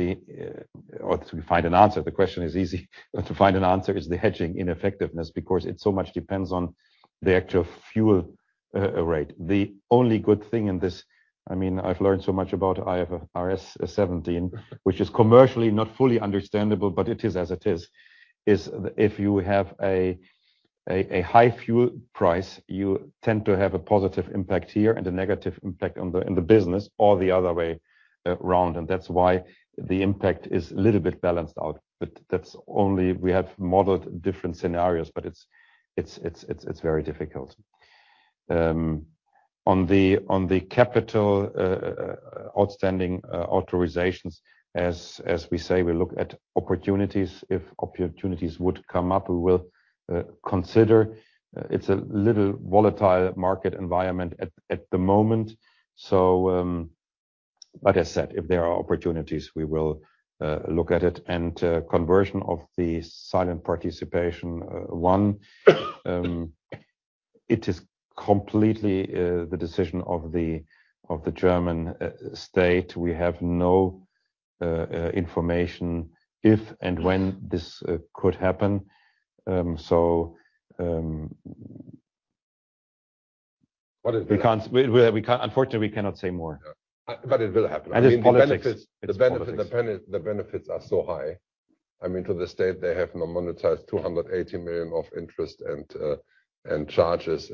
or to find an answer, the question is easy, but to find an answer is the hedging ineffectiveness, because it so much depends on the actual fuel rate. The only good thing in this, I mean, I've learned so much about IFRS 17, which is commercially not fully understandable, but it is as it is. If you have a high fuel price, you tend to have a positive impact here and a negative impact on the business or the other way round. That's why the impact is a little bit balanced out. That's only we have modeled different scenarios, but it's very difficult. On the capital outstanding authorizations, as we say, we look at opportunities. If opportunities would come up, we will consider. It's a little volatile market environment at the moment. Like I said, if there are opportunities, we will look at it. Conversion of the silent participation one, it is completely the decision of the German state. We have no information if and when this could happen. We can't. Unfortunately, we cannot say more.
It will happen.
It's politics.
The benefits are so high. I mean, to the state, they have not monetized 280 million of interest and charges.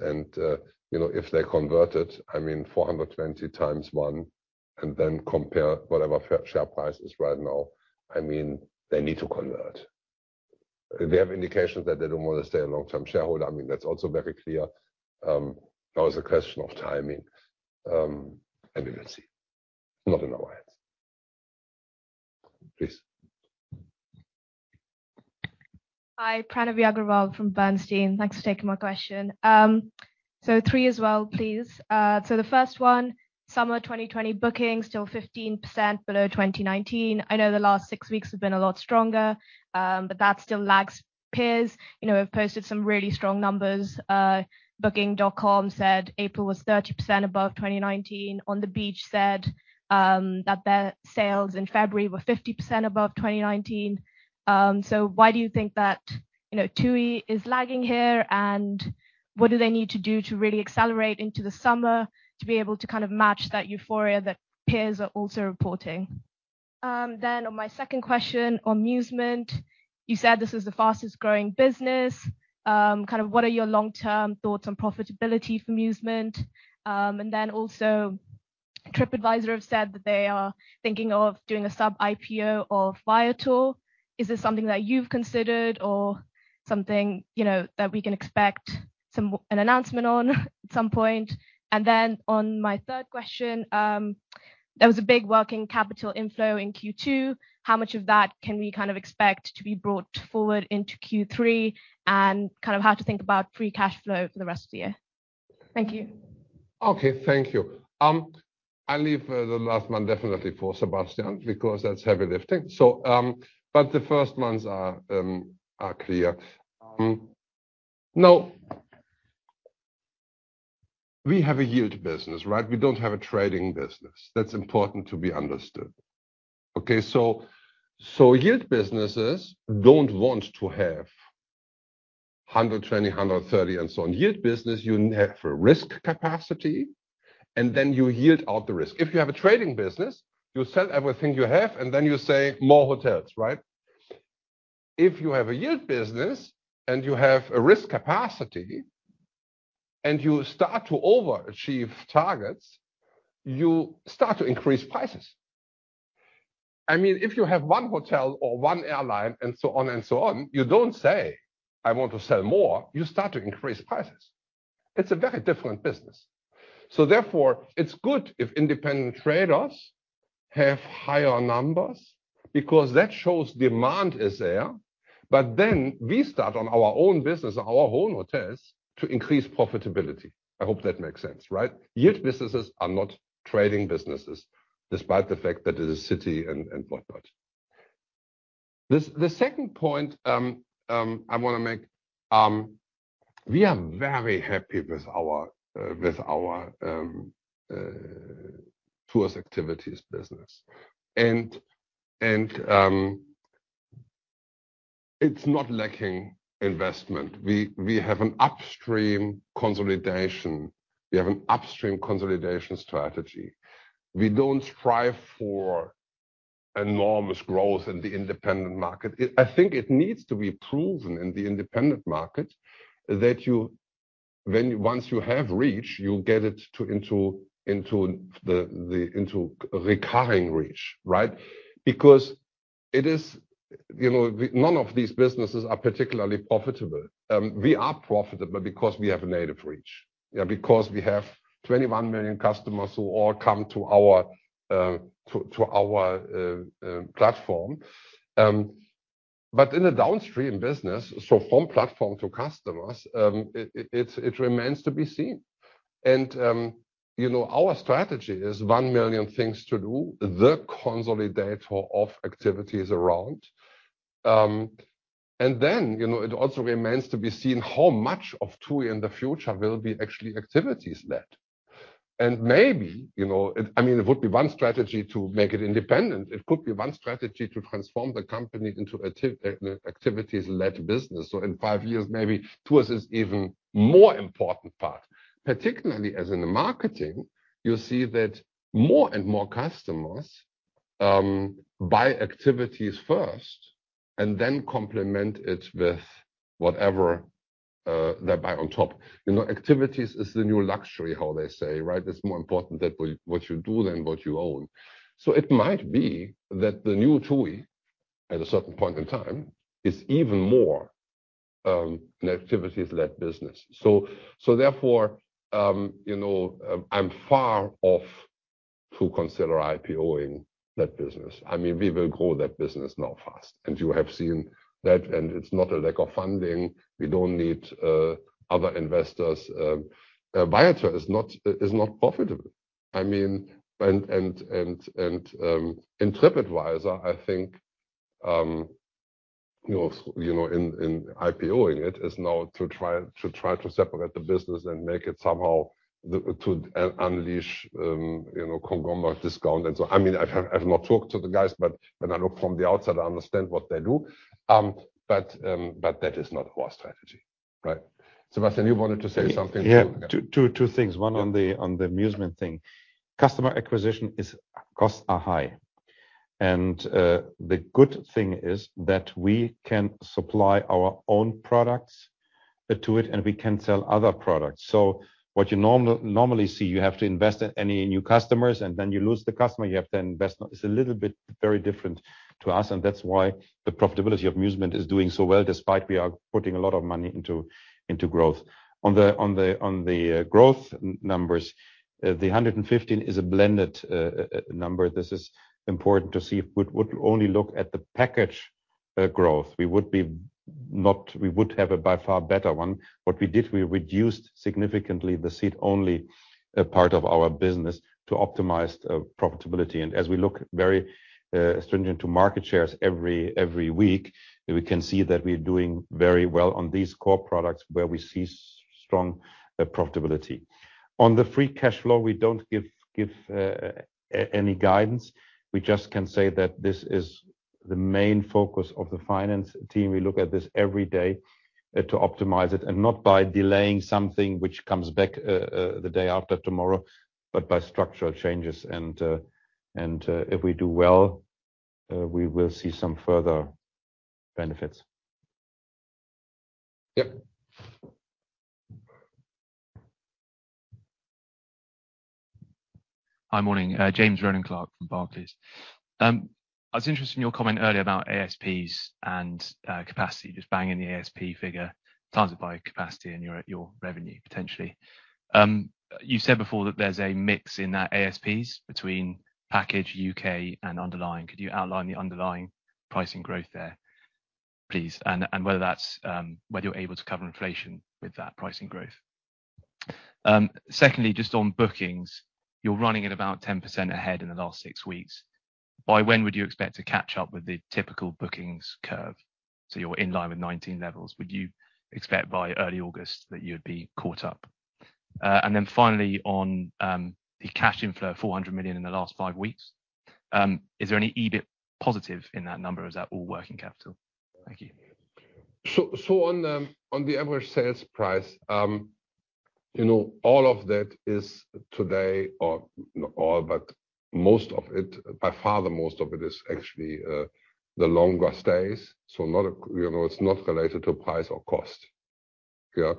You know, if they convert it, I mean, 420x1, and then compare whatever share price is right now. I mean, they need to convert. We have indications that they don't want to stay a long-term shareholder. I mean, that's also very clear. Now it's a question of timing. We will see. Not in our hands. Please.
Hi, [Pranav Gundlapalle] from Bernstein. Thanks for taking my question. Three as well, please. The first one, summer 2020 bookings still 15% below 2019. I know the last six weeks have been a lot stronger, but that still lags peers. You know, we've posted some really strong numbers. Booking.com said April was 30% above 2019. On the Beach said that their sales in February were 50% above 2019. Why do you think that, you know, TUI is lagging here, and what do they need to do to really accelerate into the summer to be able to kind of match that euphoria that peers are also reporting? On my second question on Musement, you said this is the fastest-growing business. Kind of what are your long-term thoughts on profitability for Musement? Also, Tripadvisor have said that they are thinking of doing a sub-IPO of Viator. Is this something that you've considered or something, you know, that we can expect an announcement on at some point? On my third question, there was a big working capital inflow in Q2. How much of that can we kind of expect to be brought forward into Q3? Kind of how to think about free cash flow for the rest of the year. Thank you.
Okay. Thank you. I'll leave the last one definitely for Sebastian because that's heavy lifting. But the first ones are clear. Now we have a yield business, right? We don't have a trading business. That's important to be understood. Yield businesses don't want to have $120, $130, and so on. Yield business, you have a risk capacity, and then you yield out the risk. If you have a trading business, you sell everything you have, and then you say, "More hotels." Right? If you have a yield business and you have a risk capacity, and you start to overachieve targets, you start to increase prices. I mean, if you have one hotel or one airline and so on, you don't say, "I want to sell more." You start to increase prices. It's a very different business. Therefore, it's good if independent traders have higher numbers because that shows demand is there. We start on our own business, our own hotels to increase profitability. I hope that makes sense. Right? Yield businesses are not trading businesses, despite the fact that it is city and whatnot. The second point I wanna make, we are very happy with our tours and activities business. It's not lacking investment. We have an upstream consolidation. We have an upstream consolidation strategy. We don't strive for enormous growth in the independent market. I think it needs to be proven in the independent market that when once you have reach you get it into recurring reach, right? Because it is, you know, none of these businesses are particularly profitable. We are profitable because we have a native reach. Yeah, because we have 21 million customers who all come to our platform. But in a downstream business, so from platform to customers, it remains to be seen. You know, our strategy is 1 million things to do, the consolidator of activities around. You know, it also remains to be seen how much of TUI in the future will be actually activities led. Maybe, you know, I mean, it would be one strategy to make it independent. It could be one strategy to transform the company into activities-led business. In five years, maybe tours is even more important part. Particularly as in the marketing, you'll see that more and more customers buy activities first and then complement it with whatever they buy on top. You know, activities is the new luxury, how they say, right? It's more important what you do than what you own. It might be that the new TUI, at a certain point in time, is even more an activities-led business. Therefore, you know, I'm far off to consider IPO-ing that business. I mean, we will grow that business now fast, and you have seen that, and it's not a lack of funding. We don't need other investors. Viator is not profitable. I mean, in Tripadvisor, I think, you know, in IPO-ing it is now to try to separate the business and make it somehow to unleash, you know, conglomerate discount and so on. I mean, I've not talked to the guys, but when I look from the outside, I understand what they do. That is not our strategy, right. Sebastian, you wanted to say something?
Yeah. Two things. One on the Musement thing. Customer acquisition costs are high. The good thing is that we can supply our own products to it, and we can sell other products. What you normally see, you have to invest in any new customers, and then you lose the customer, you have to invest. It's a little bit very different to us, and that's why the profitability of Musement is doing so well, despite we are putting a lot of money into growth. On the growth numbers, the 115% is a blended number. This is important to see. If we'd only look at the package growth, we would have a by far better one. What we did, we reduced significantly the seat only part of our business to optimize profitability. We look very stringently at market shares every week, we can see that we are doing very well on these core products where we see strong profitability. On the free cash flow, we don't give any guidance. We just can say that this is the main focus of the finance team. We look at this every day to optimize it, and not by delaying something which comes back the day after tomorrow, but by structural changes. If we do well, we will see some further benefits.
Yep.
Hi. Morning. James Rowland Clark from Barclays. I was interested in your comment earlier about ASPs and capacity, just banging the ASP figure, times it by capacity and your revenue, potentially. You said before that there's a mix in that ASPs between package U.K. and underlying. Could you outline the underlying pricing growth there, please? And whether you're able to cover inflation with that pricing growth. Secondly, just on bookings, you're running at about 10% ahead in the last six weeks. By when would you expect to catch up with the typical bookings curve? So you're in line with 2019 levels. Would you expect by early August that you'd be caught up? And then finally on the cash inflow, 400 million in the last five weeks, is there any EBIT positive in that number? Is that all working capital? Thank you.
On the average sales price, you know, all of that is today or not all, but most of it, by far, the most of it is actually the longer stays. Not related to price or cost. Yeah.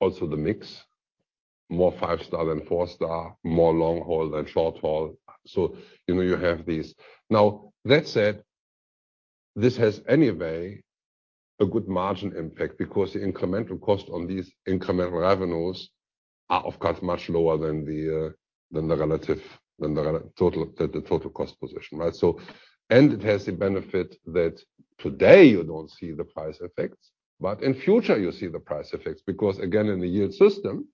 Also the mix, more five-star than four-star, more long-haul than short-haul. You know, you have these. Now, that said, this has anyway a good margin impact because the incremental cost on these incremental revenues are of course much lower than the relative than the total cost position, right? It has the benefit that today you don't see the price effects, but in future you'll see the price effects. Because again, in the yield system,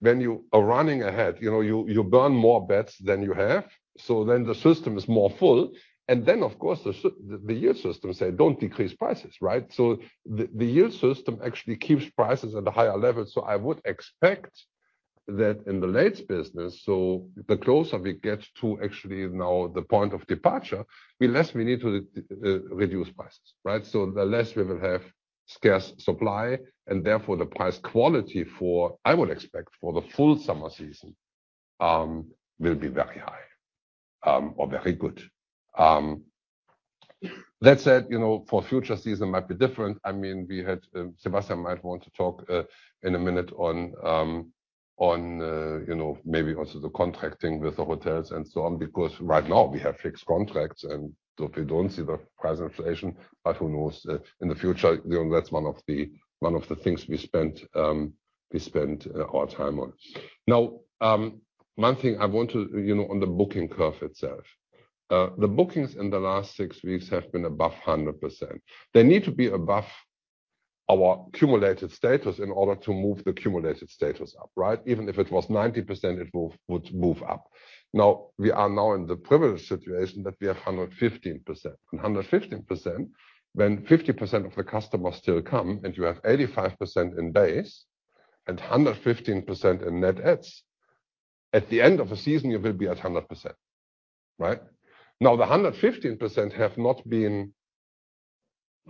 when you are running ahead, you know, you burn more beds than you have, so then the system is more full. Then, of course, the yield system says, "Don't decrease prices," right? So the yield system actually keeps prices at a higher level. I would expect that in the late bookings. The closer we get to actually now the point of departure, the less we need to reduce prices, right? So the less we will have scarce supply, and therefore the pricing quality, I would expect, for the full summer season, will be very high, or very good. That said, you know, for future seasons might be different. I mean, we had, Sebastian might want to talk, in a minute on, you know, maybe also the contracting with the hotels and so on, because right now we have fixed contracts, and so we don't see the price inflation. Who knows, in the future, you know, that's one of the things we spend our time on. Now, one thing I want to, you know, on the booking curve itself. The bookings in the last six weeks have been above 100%. They need to be above our accumulated status in order to move the accumulated status up, right? Even if it was 90%, it would move up. Now, we are now in the privileged situation that we have 115%. 115%, when 50% of the customers still come, and you have 85% in base and 115% in net adds, at the end of the season, you will be at 100%, right? Now, the 115% have not been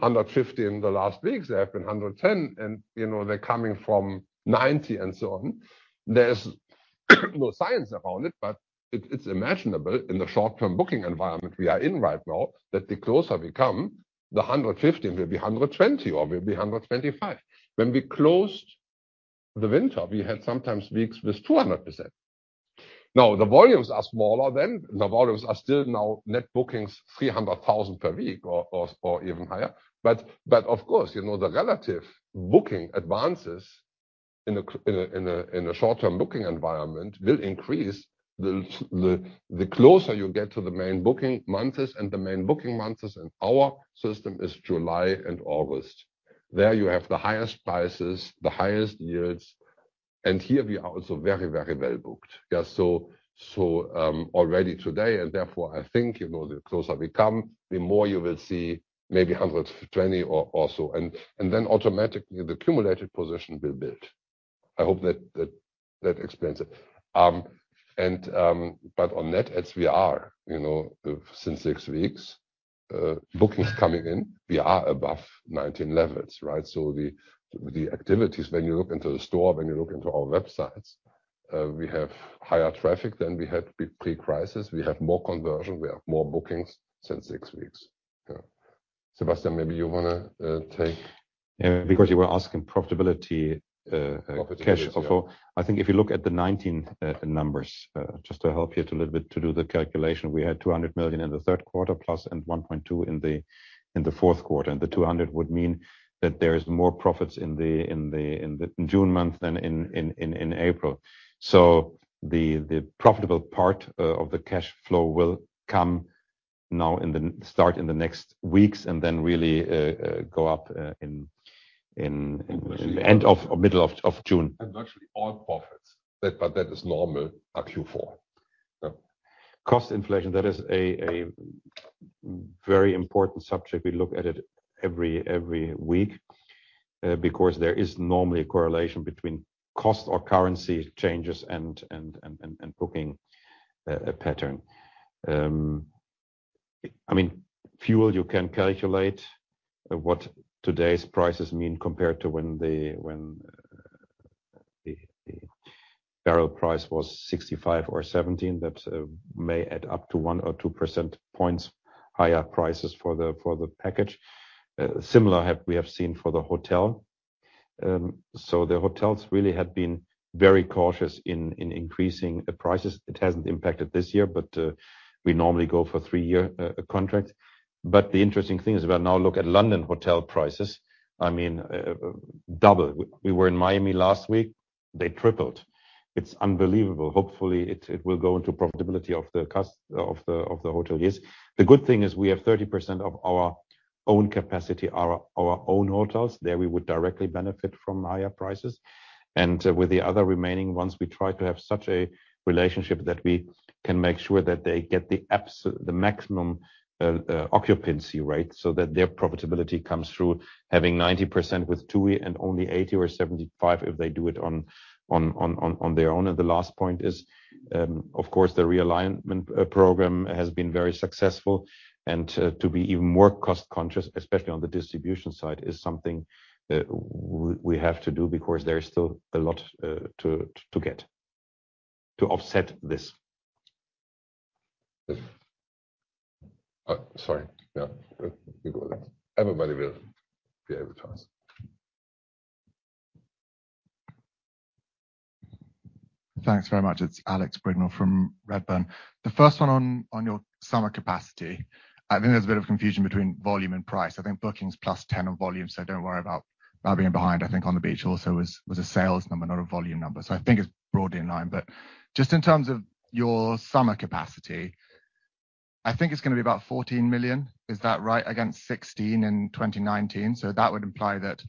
150% in the last weeks. They have been 110% and, you know, they're coming from 90% and so on. There's no science around it, but it's imaginable in the short-term booking environment we are in right now, that the closer we come, the 150% will be 120% or will be 125%. When we closed the winter, we had sometimes weeks with 200%. Now, the volumes are still now net bookings 300,000 per week or or even higher. Of course, you know, the relative booking advances in a short-term booking environment will increase the closer you get to the main booking months and the main booking months in our system are July and August. There you have the highest prices, the highest yields, and here we are also very well-booked. Already today, and therefore, I think, you know, the closer we come, the more you will see maybe 120% or also. Then automatically the cumulative position will build. I hope that explains it. On net adds we are, you know, since six weeks, bookings coming in, we are above 2019 levels, right? The activities when you look into the store, when you look into our websites, we have higher traffic than we had pre-crisis. We have more conversion, we have more bookings since six weeks. Yeah. Sebastian, maybe you wanna take?
Yeah, because you were asking profitability. Cash flow. I think if you look at the 2019 numbers, just to help you a little bit to do the calculation. We had 200 million in the third quarter plus 1.2 billion in the fourth quarter. The 200 million would mean that there is more profits in the June month than in April. The profitable part of the cash flow will start in the next weeks and then really go up in end of or middle of June.
Virtually all profits. But that is normal at Q4.
Cost inflation, that is a very important subject. We look at it every week because there is normally a correlation between cost or currency changes and booking pattern. I mean, fuel you can calculate what today's prices mean compared to when the barrel price was $65 or $17. That may add up to 1 or 2 percentage points higher prices for the package. Similar, we have seen for the hotel. The hotels really have been very cautious in increasing the prices. It hasn't impacted this year, but we normally go for three-year contract. The interesting thing is when I now look at London hotel prices, I mean, double. We were in Miami last week, they tripled. It's unbelievable. Hopefully it will go into profitability of the hotel, yes. The good thing is we have 30% of our own capacity are our own hotels. There we would directly benefit from higher prices. With the other remaining ones, we try to have such a relationship that we can make sure that they get the maximum occupancy rate, so that their profitability comes through having 90% with TUI and only 80% or 75% if they do it on their own. The last point is, of course, the realignment program has been very successful and to be even more cost-conscious, especially on the distribution side, is something that we have to do because there is still a lot to get to offset this.
Sorry. Yeah. You go ahead. Everybody will be able to ask.
Thanks very much. It's Alex Brignall from Redburn. The first one on your summer capacity. I think there's a bit of confusion between volume and price. I think bookings +10 on volume, so don't worry about that being behind. I think On the Beach also was a sales number, not a volume number. I think it's broadly in line. Just in terms of your summer capacity, I think it's gonna be about 14 million. Is that right? Against 16 in 2019. That would imply that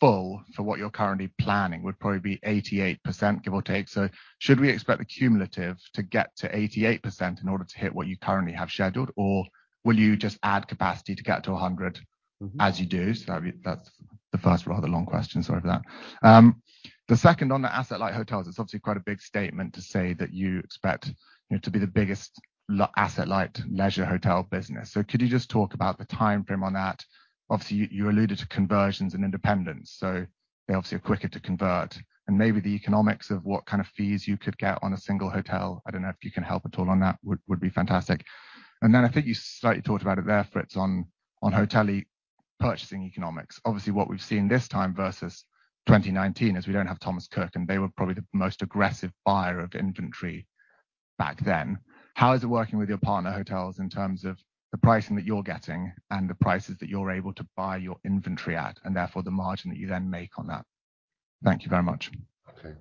full for what you're currently planning would probably be 88%, give or take. Should we expect the cumulative to get to 88% in order to hit what you currently have scheduled? Or will you just add capacity to get to 100% as you do? That's the first rather long question. Sorry for that. The second on the asset light hotels, it's obviously quite a big statement to say that you expect, you know, to be the biggest asset light leisure hotel business. Could you just talk about the timeframe on that? Obviously, you alluded to conversions and independence, so they obviously are quicker to convert. Maybe the economics of what kind of fees you could get on a single hotel. I don't know if you can help at all on that. Would be fantastic. I think you slightly talked about it there, Fritz, on hotel purchasing economics. Obviously, what we've seen this time versus 2019 is we don't have Thomas Cook, and they were probably the most aggressive buyer of inventory back then. How is it working with your partner hotels in terms of the pricing that you're getting and the prices that you're able to buy your inventory at, and therefore the margin that you then make on that? Thank you very much.
Okay.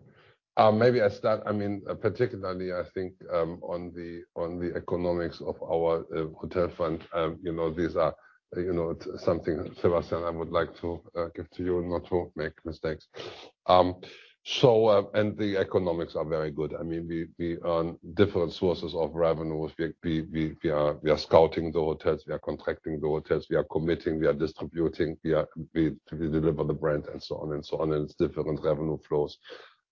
Maybe I start. I mean, particularly I think, on the economics of our hotel fund. You know, these are, you know, something Sebastian and I would like to give to you not to make mistakes. The economics are very good. I mean, we earn different sources of revenue. We are scouting the hotels, we are contracting the hotels, we are committing, we are distributing, we deliver the brand and so on and so on, and it's different revenue flows.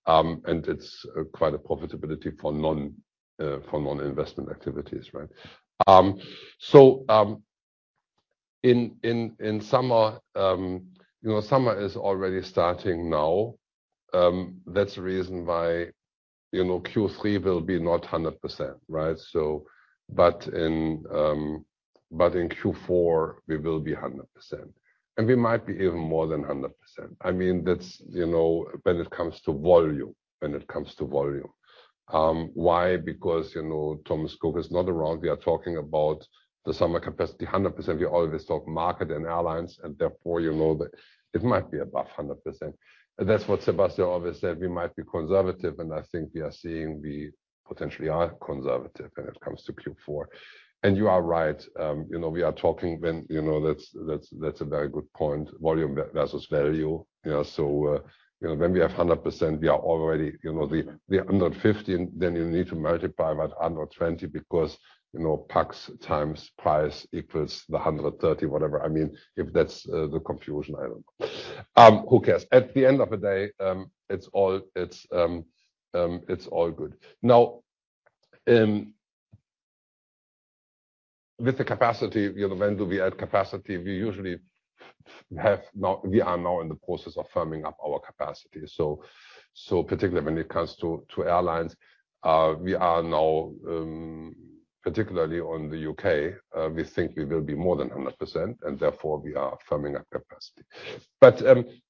It's quite a profitability for non-investment activities, right? In summer, you know, summer is already starting now. That's the reason why, you know, Q3 will be not 100%, right? In Q4 we will be 100%. We might be even more than 100%. I mean, that's, you know, when it comes to volume. When it comes to volume. Why? Because, you know, Thomas Cook is not around. We are talking about the summer capacity 100%. We always talk Markets & Airlines, and therefore, you know that it might be above 100%. That's what Sebastian always said, we might be conservative, and I think we are seeing we potentially are conservative when it comes to Q4. You are right, you know, we are talking when, you know, that's a very good point. Volume versus value, you know. You know, when we have 100%, we are already, you know, we are $150, and then you need to multiply by $120 because, you know, pax times price equals the $130, whatever. I mean, if that's the confusion, I don't know. Who cares? At the end of the day, it's all good. Now, with the capacity, you know, when do we add capacity? We are now in the process of firming up our capacity. Particularly when it comes to airlines, we are now particularly on the U.K., we think we will be more than 100%, and therefore we are firming up capacity.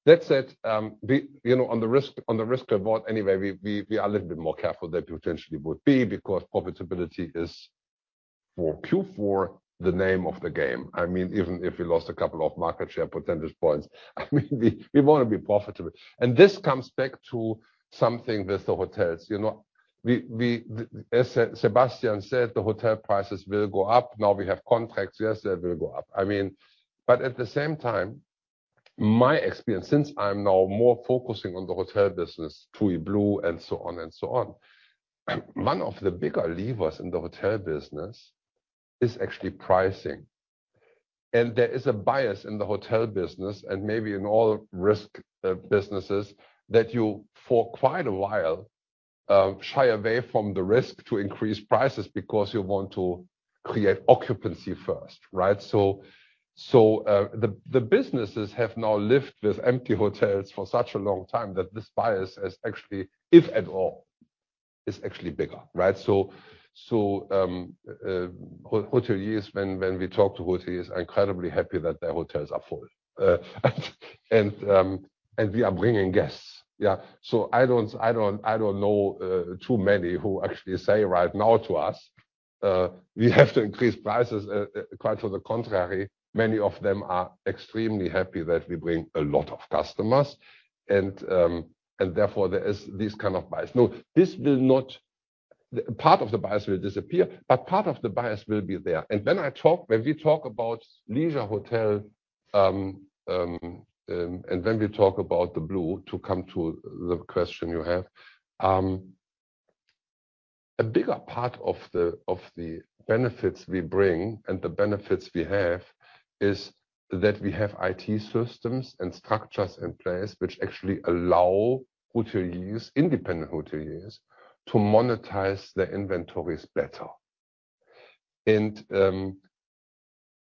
That said, we, you know, on the risk reward anyway, we are a little bit more careful than we potentially would be because profitability is, for Q4, the name of the game. I mean, even if we lost a couple of market share percentage points, I mean, we wanna be profitable. This comes back to something with the hotels. As Sebastian said, the hotel prices will go up. Now we have contracts, yes, they will go up. I mean, at the same time, my experience, since I'm now more focusing on the hotel business, TUI BLUE and so on and so on, one of the bigger levers in the hotel business is actually pricing. There is a bias in the hotel business and maybe in all risk businesses that you, for quite a while, shy away from the risk to increase prices because you want to create occupancy first, right? The businesses have now lived with empty hotels for such a long time that this bias is actually, if at all, is actually bigger, right? Hoteliers, when we talk to hoteliers, are incredibly happy that their hotels are full. We are bringing guests, yeah. I don't know too many who actually say right now to us we have to increase prices. Quite to the contrary, many of them are extremely happy that we bring a lot of customers and therefore there is this kind of bias. No, this will not. Part of the bias will disappear, but part of the bias will be there. When we talk about leisure hotel, and when we talk about TUI BLUE to come to the question you have, a bigger part of the benefits we bring and the benefits we have is that we have IT systems and structures in place which actually allow hoteliers, independent hoteliers, to monetize their inventories better.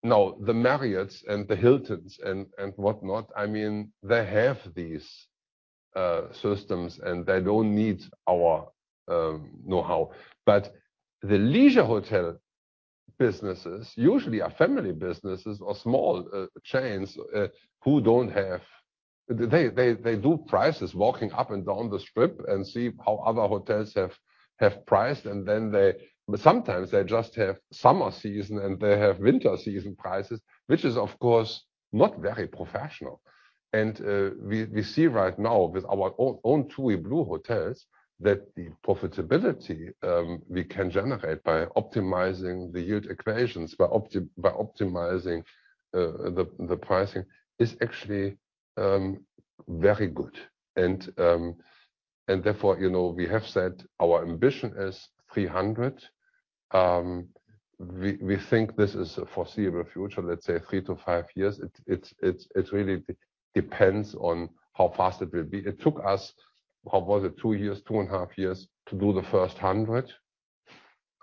Now, the Marriotts and the Hiltons and whatnot, I mean, they have these systems, and they don't need our know-how. The leisure hotel businesses usually are family businesses or small chains who don't have. They do prices walking up and down the strip and see how other hotels have priced, and then but sometimes they just have summer season, and they have winter season prices, which is, of course, not very professional. We see right now with our own TUI BLUE hotels that the profitability we can generate by optimizing the yield equations, by optimizing the pricing, is actually very good. And therefore, you know, we have said our ambition is 300. We think this is a foreseeable future, let's say three-five years. It really depends on how fast it will be. It took us, what was it? Two years, 2.5 years to do the first 100.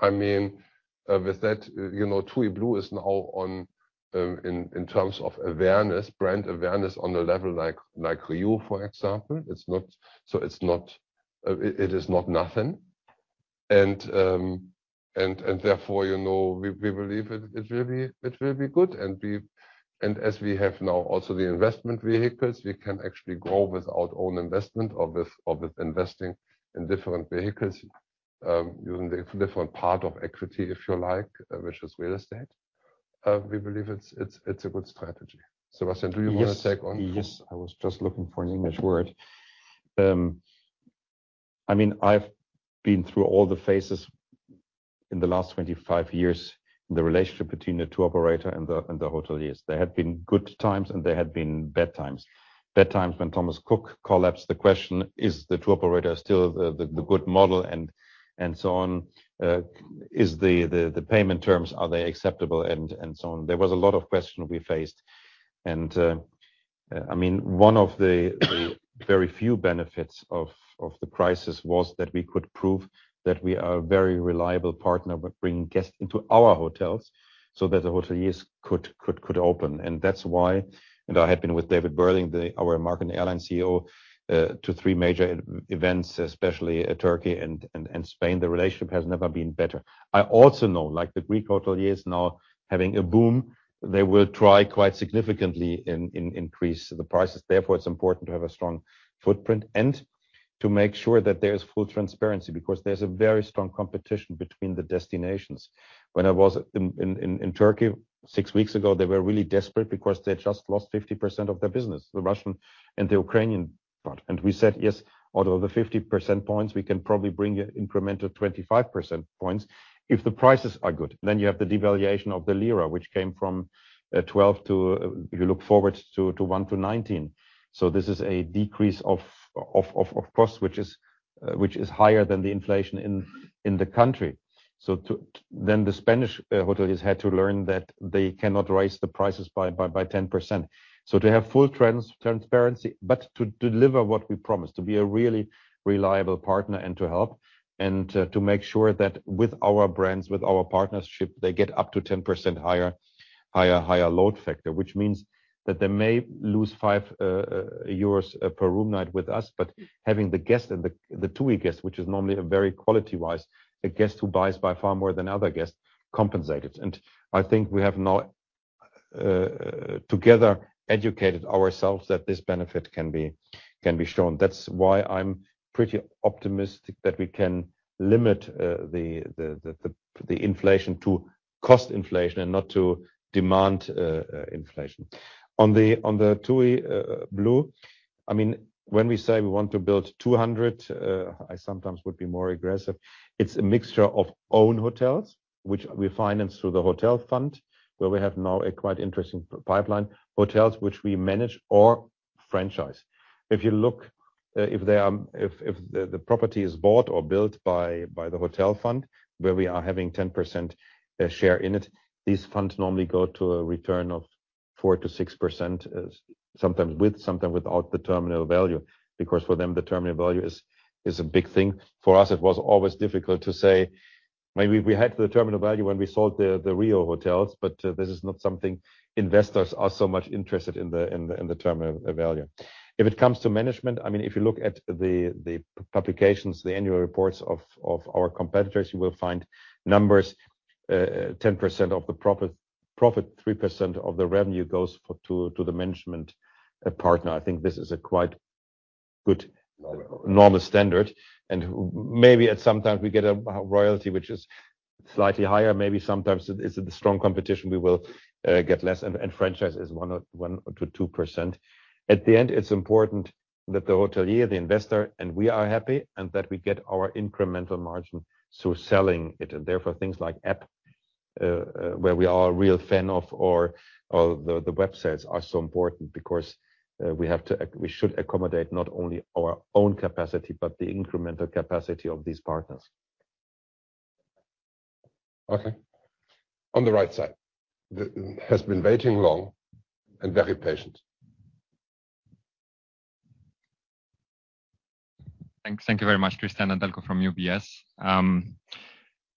I mean, with that, you know, TUI BLUE is now on, in terms of awareness, brand awareness on a level like RIU, for example. It's not nothing. And therefore, you know, we believe it will be good. And as we have now also the investment vehicles, we can actually grow with our own investment or with investing in different vehicles, using the different part of equity, if you like, which is real estate. We believe it's a good strategy. Sebastian, do you wanna take on?
Yes. Yes. I was just looking for an English word. I mean, I've been through all the phases in the last 25 years, the relationship between the tour operator and the hoteliers. There have been good times, and there had been bad times. Bad times when Thomas Cook collapsed, the question is the tour operator still the good model and so on. Are the payment terms acceptable and so on. There was a lot of question we faced. I mean, one of the very few benefits of the crisis was that we could prove that we are a very reliable partner with bringing guests into our hotels so that the hoteliers could open. That's why. I had been with David Burling, our Markets & Airlines CEO, to three major events, especially at Turkey and Spain. The relationship has never been better. I also know, like the Greek hoteliers now having a boom, they will try quite significantly to increase the prices. Therefore, it's important to have a strong footprint and to make sure that there is full transparency because there's a very strong competition between the destinations. When I was in Turkey six weeks ago, they were really desperate because they just lost 50% of their business, the Russian and the Ukrainian part. We said, "Yes, out of the 50 percentage points, we can probably bring incremental 25 percentage points if the prices are good." You have the devaluation of the lira, which came from 12 to 19. This is a decrease of cost which is higher than the inflation in the country. The Spanish hoteliers had to learn that they cannot raise the prices by 10%. To have full transparency, but to deliver what we promise, to be a really reliable partner and to help and to make sure that with our brands, with our partnership, they get up to 10% higher load factor. Which means that they may lose 5 euros per room night with us, but having the guest and the TUI guest, which is normally a very quality-wise a guest who buys by far more than other guests, compensated. I think we have now together educated ourselves that this benefit can be shown. That's why I'm pretty optimistic that we can limit the inflation to cost inflation and not to demand inflation. On the TUI BLUE, I mean, when we say we want to build 200, I sometimes would be more aggressive. It's a mixture of own hotels, which we finance through the hotel fund, where we have now a quite interesting pipeline. Hotels which we manage or franchise. If the property is bought or built by the hotel fund, where we are having 10% share in it, these funds normally go to a return of 4%-6%, sometimes with, sometimes without the terminal value. Because for them, the terminal value is a big thing. For us, it was always difficult to say, maybe we had the terminal value when we sold the RIU hotels, but this is not something investors are so much interested in the terminal value. If it comes to management, I mean, if you look at the publications, the annual reports of our competitors, you will find numbers, 10% of the profit, 3% of the revenue goes to the management partner. I think this is a quite good normal standard. Maybe at sometimes we get a royalty which is slightly higher. Maybe sometimes it is the strong competition, we will get less. Franchise is 1% or 1%-2%. At the end, it's important that the hotelier, the investor, and we are happy and that we get our incremental margin through selling it. Therefore things like app where we are a real fan of or the websites are so important because we should accommodate not only our own capacity, but the incremental capacity of these partners.
Okay. On the right side. Has been waiting long and very patient.
Thanks. Thank you very much. Cristian Nedelcu from UBS.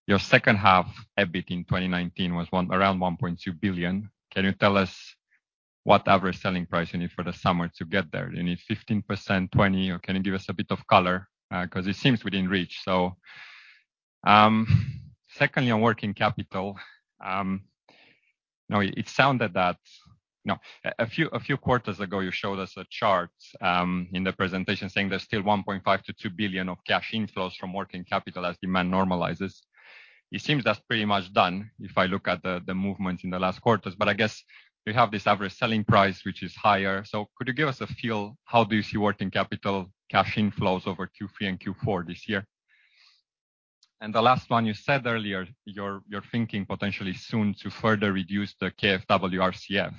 Your second half EBIT in 2019 was around 1.2 billion. Can you tell us what average selling price you need for the summer to get there? You need 15%, 20%, or can you give us a bit of color? Because it seems within reach. Secondly on working capital, now it sounded that a few quarters ago, you showed us a chart in the presentation saying there's still 1.5 billion-2 billion of cash inflows from working capital as demand normalizes. It seems that's pretty much done if I look at the movements in the last quarters. But I guess you have this average selling price, which is higher. Could you give us a feel, how do you see working capital cash inflows over Q3 and Q4 this year? The last one, you said earlier you're thinking potentially soon to further reduce the KfW RCF.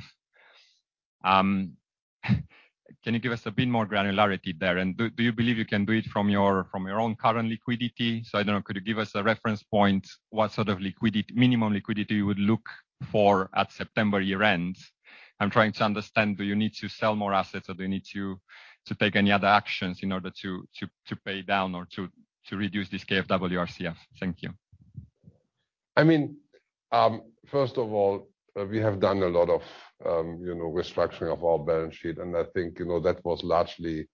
Can you give us a bit more granularity there? Do you believe you can do it from your own current liquidity? I don't know, could you give us a reference point, what sort of minimum liquidity you would look for at September year-end? I'm trying to understand, do you need to sell more assets or do you need to take any other actions in order to pay down or to reduce this KfW RCF? Thank you.
I mean, first of all, we have done a lot of, you know, restructuring of our balance sheet, and I think, you know, that was largely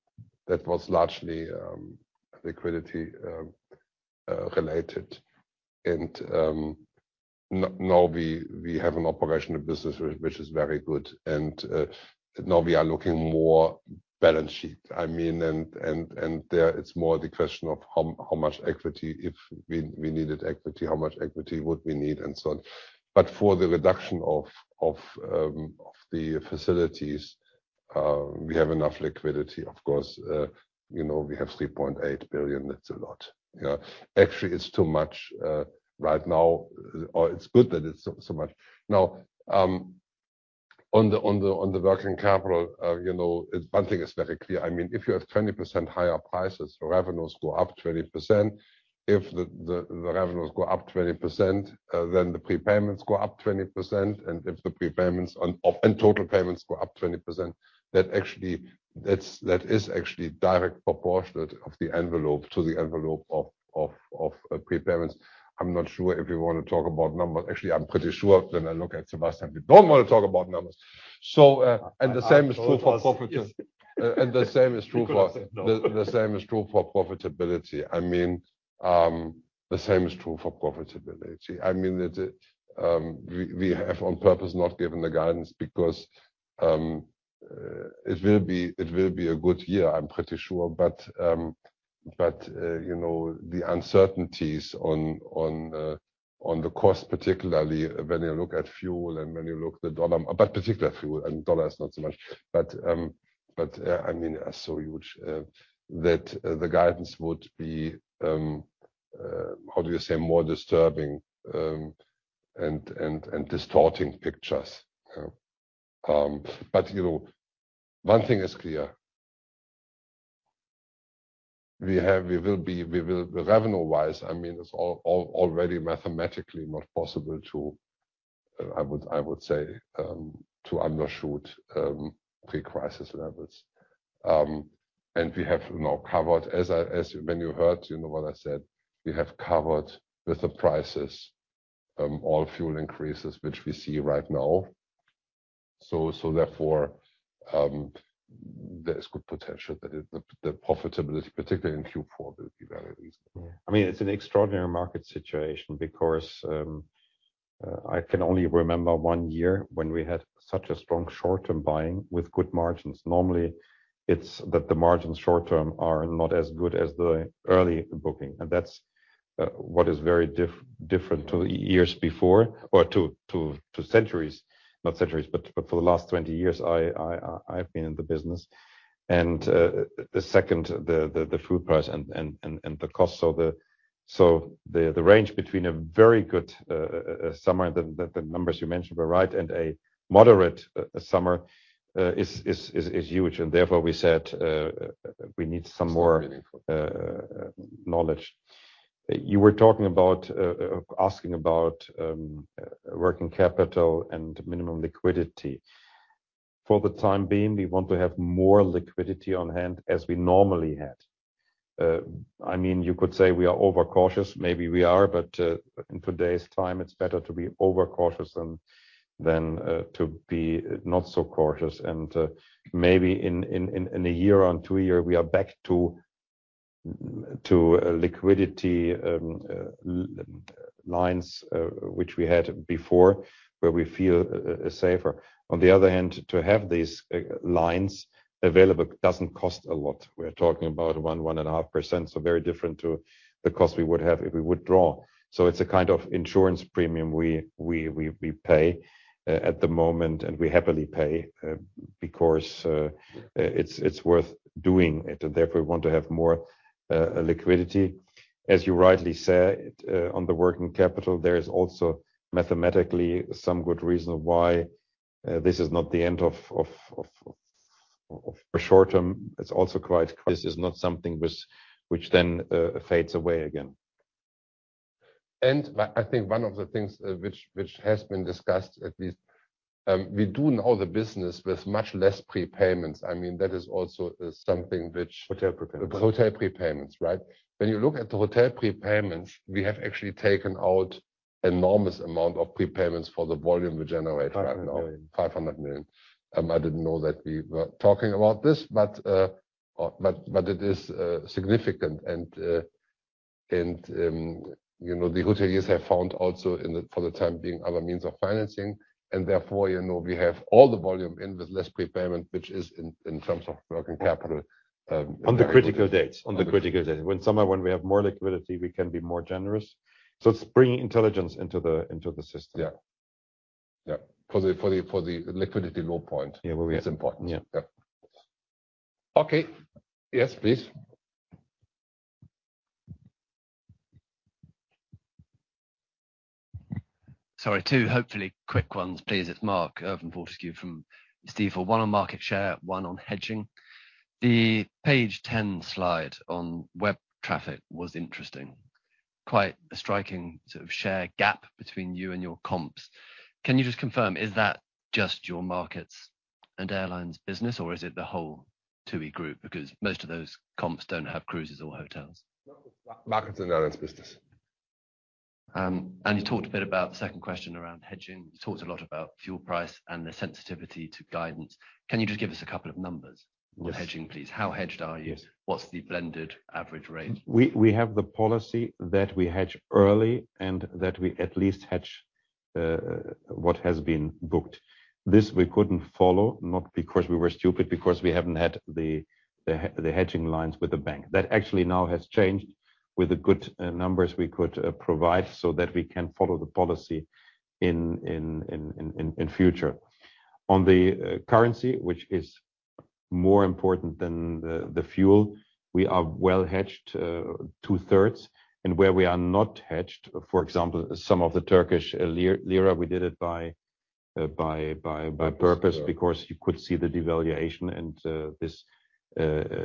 liquidity related. Now we have an operational business which is very good. Now we are looking more balance sheet, I mean, and there it's more the question of how much equity, if we needed equity, how much equity would we need and so on. But for the reduction of the facilities, we have enough liquidity, of course. You know, we have 3.8 billion, it's a lot. Yeah. Actually, it's too much right now, or it's good that it's so much. Now, on the working capital, you know, one thing is very clear, I mean, if you have 20% higher prices, so revenues go up 20%. If the revenues go up 20%, then the prepayments go up 20%, and if the prepayments and total payments go up 20%, that actually, that's, that is actually direct proportionate to the envelope of prepayments. I'm not sure if you wanna talk about numbers. Actually, I'm pretty sure when I look at Sebastian, we don't wanna talk about numbers. The same is true for profit. I mean, the same is true for profitability. I mean, that we have on purpose not given the guidance because it will be a good year, I'm pretty sure. You know, the uncertainties on the cost, particularly when you look at fuel and when you look at the dollar, but particularly fuel, and dollar is not so much, I mean, are so huge that the guidance would be, how do you say, more disturbing and distorting pictures, you know. You know, one thing is clear. Revenue-wise, I mean, it's already mathematically not possible, I would say, to undershoot pre-crisis levels. We have now covered, as when you heard, you know, what I said, we have covered with the prices, all fuel increases which we see right now. Therefore, there's good potential that the profitability, particularly in Q4, will be very reasonable.
Yeah. I mean, it's an extraordinary market situation because I can only remember one year when we had such a strong short-term buying with good margins. Normally, it's that the margins short-term are not as good as the early booking, and that's what is very different to years before or to centuries, not centuries, but for the last 20 years I've been in the business. The second, the fuel price and the cost. So the range between a very good summer, the numbers you mentioned were right, and a moderate summer is huge. Therefore, we said we need some more knowledge. You were talking about asking about working capital and minimum liquidity. For the time being, we want to have more liquidity on hand as we normally had. I mean, you could say we are overcautious. Maybe we are, but in today's time, it's better to be overcautious than to be not so cautious. Maybe in a year or two year, we are back to liquidity lines which we had before, where we feel safer. On the other hand, to have these lines available doesn't cost a lot. We're talking about 1.5%, so very different to the cost we would have if we withdraw. It's a kind of insurance premium we pay at the moment, and we happily pay, because it's worth doing it. Therefore, we want to have more liquidity. As you rightly said, on the working capital, there is also mathematically some good reason why this is not the end of short-term. It's also quite clear this is not something which then fades away again.
I think one of the things which has been discussed, at least, we do know the business with much less prepayments. I mean, that is also something which--
Hotel prepayments.
Hotel prepayments, right? When you look at the hotel prepayments, we have actually taken out enormous amount of prepayments for the volume we generate right now.
500 million.
500 million. I didn't know that we were talking about this, but it is significant. You know, the hoteliers have found also, for the time being, other means of financing. Therefore, you know, we have all the volume in with less prepayment, which is in terms of working capital.
On the critical dates. When we have more liquidity, we can be more generous. It's bringing intelligence into the system.
Yeah. For the liquidity low point.
Yeah. Where it's important.
Yeah. Okay. Yes, please.
Sorry, two hopefully quick ones, please. It's Mark Irvine-Fortescue from Stifel. For one on market share, one on hedging. The page 10 slide on web traffic was interesting. Quite a striking sort of share gap between you and your comps. Can you just confirm, is that just your Markets & Airlines business, or is it the whole TUI Group? Because most of those comps don't have cruises or hotels.
Markets & Airlines business.
You talked a bit about the second question around hedging. You talked a lot about fuel price and the sensitivity to guidance. Can you just give us a couple of numbers? On hedging, please? How hedged are you? What's the blended average range?
We have the policy that we hedge early and that we at least hedge. What has been booked. This we couldn't follow, not because we were stupid, because we haven't had the hedging lines with the bank. That actually now has changed with the good numbers we could provide so that we can follow the policy in future. On the currency, which is more important than the fuel, we are well hedged 2/3. And where we are not hedged, for example, some of the Turkish lira, we did it on purpose because you could see the devaluation, and this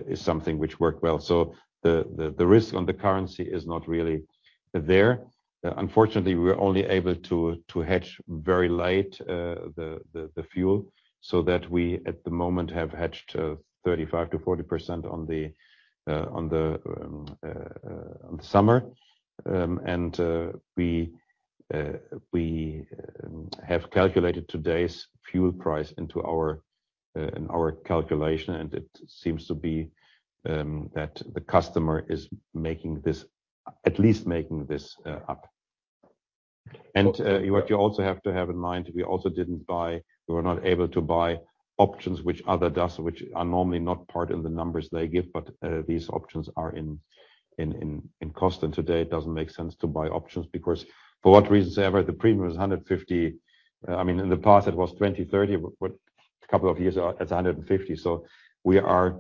is something which worked well. The risk on the currency is not really there. Unfortunately, we're only able to hedge very lightly the fuel, so that we at the moment have hedged 35%-40% on the summer. We have calculated today's fuel price into our calculation, and it seems to be that the customer is at least making this up. What you also have to have in mind, we were not able to buy options which others do, which are normally not part of the numbers they give, but these options are in cost. Today it doesn't make sense to buy options because for whatever reasons, the premium is $150. I mean, in the past it was $20, $30, but a couple of years ago, it's $150.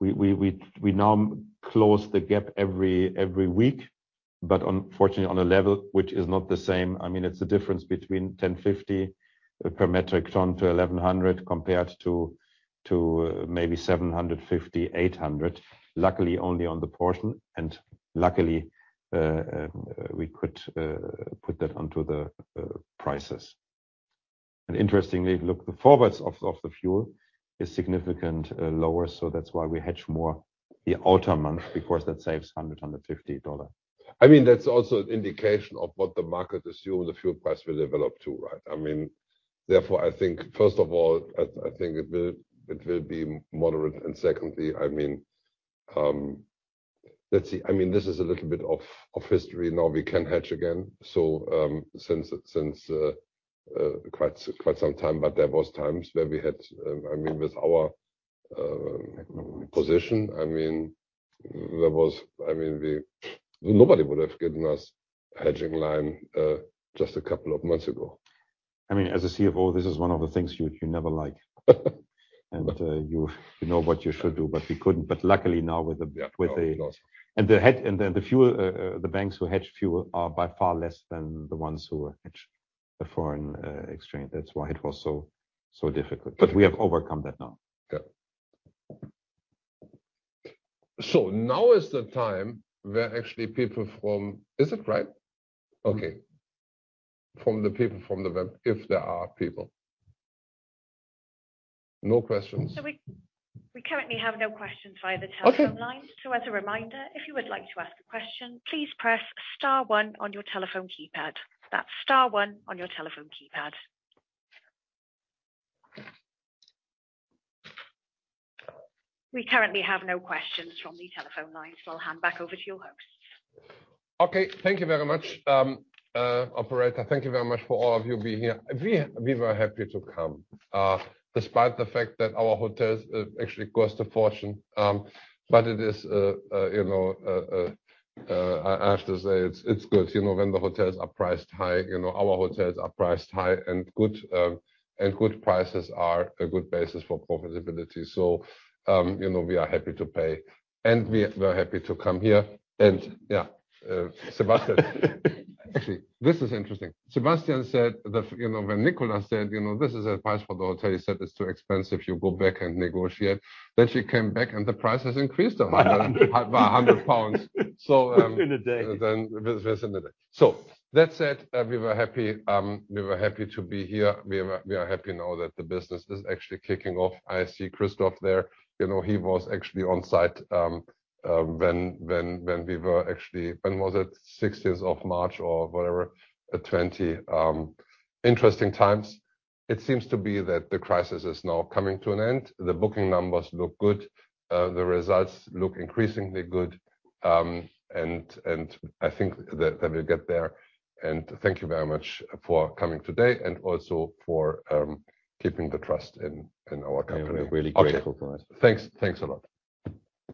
We now close the gap every week, but unfortunately on a level which is not the same. I mean, it's a difference between $1,050 per metric ton to $1,100 compared to maybe $750, $800. Luckily, only on the portion, and luckily, we could put that onto the prices. Interestingly, look, the forwards of the fuel is significant lower, so that's why we hedge more the autumn months because that saves $150.
I mean, that's also an indication of what the market assumes the fuel price will develop to, right? I mean, therefore, I think first of all, I think it will be moderate. Secondly, I mean, let's see. I mean, this is a little bit of history. Now we can hedge again, so since quite some time, but there was times where we had, I mean, with our position, I mean, nobody would have given us hedging line just a couple of months ago.
I mean, as a CFO, this is one of the things you never like. You know what you should do, but we couldn't. Luckily now with the--
Yeah. No, of course.
The banks who hedge fuel are by far less than the ones who hedge the foreign exchange. That's why it was so difficult. We have overcome that now.
Yeah. Now is the time. Is it right? Okay. From the people from the web, if there are people. No questions?
We currently have no questions via the telephone line. As a reminder, if you would like to ask a question, please press star one on your telephone keypad. That's star one on your telephone keypad. We currently have no questions from the telephone lines. I'll hand back over to your host.
Okay. Thank you very much, operator. Thank you very much for all of you being here. We were happy to come despite the fact that our hotels actually cost a fortune. It is good, you know, when the hotels are priced high. You know, our hotels are priced high and good, and good prices are a good basis for profitability. You know, we are happy to pay, and we are happy to come here. Yeah, Sebastian. Actually, this is interesting. Sebastian said, you know, when Nicola said, you know, "This is a price for the hotel." He said, "It's too expensive. You go back and negotiate." Then she came back, and the price has increased by 100 pounds.
Within a day.
Within a day. That said, we were happy to be here. We are happy now that the business is actually kicking off. I see Christoph there. You know, he was actually on site. When was it? Sixth day of March or whatever, 2020. Interesting times. It seems to be that the crisis is now coming to an end. The booking numbers look good. The results look increasingly good. I think that we'll get there. Thank you very much for coming today and also for keeping the trust in our company.
Yeah, we're really grateful for it.
Okay. Thanks. Thanks a lot.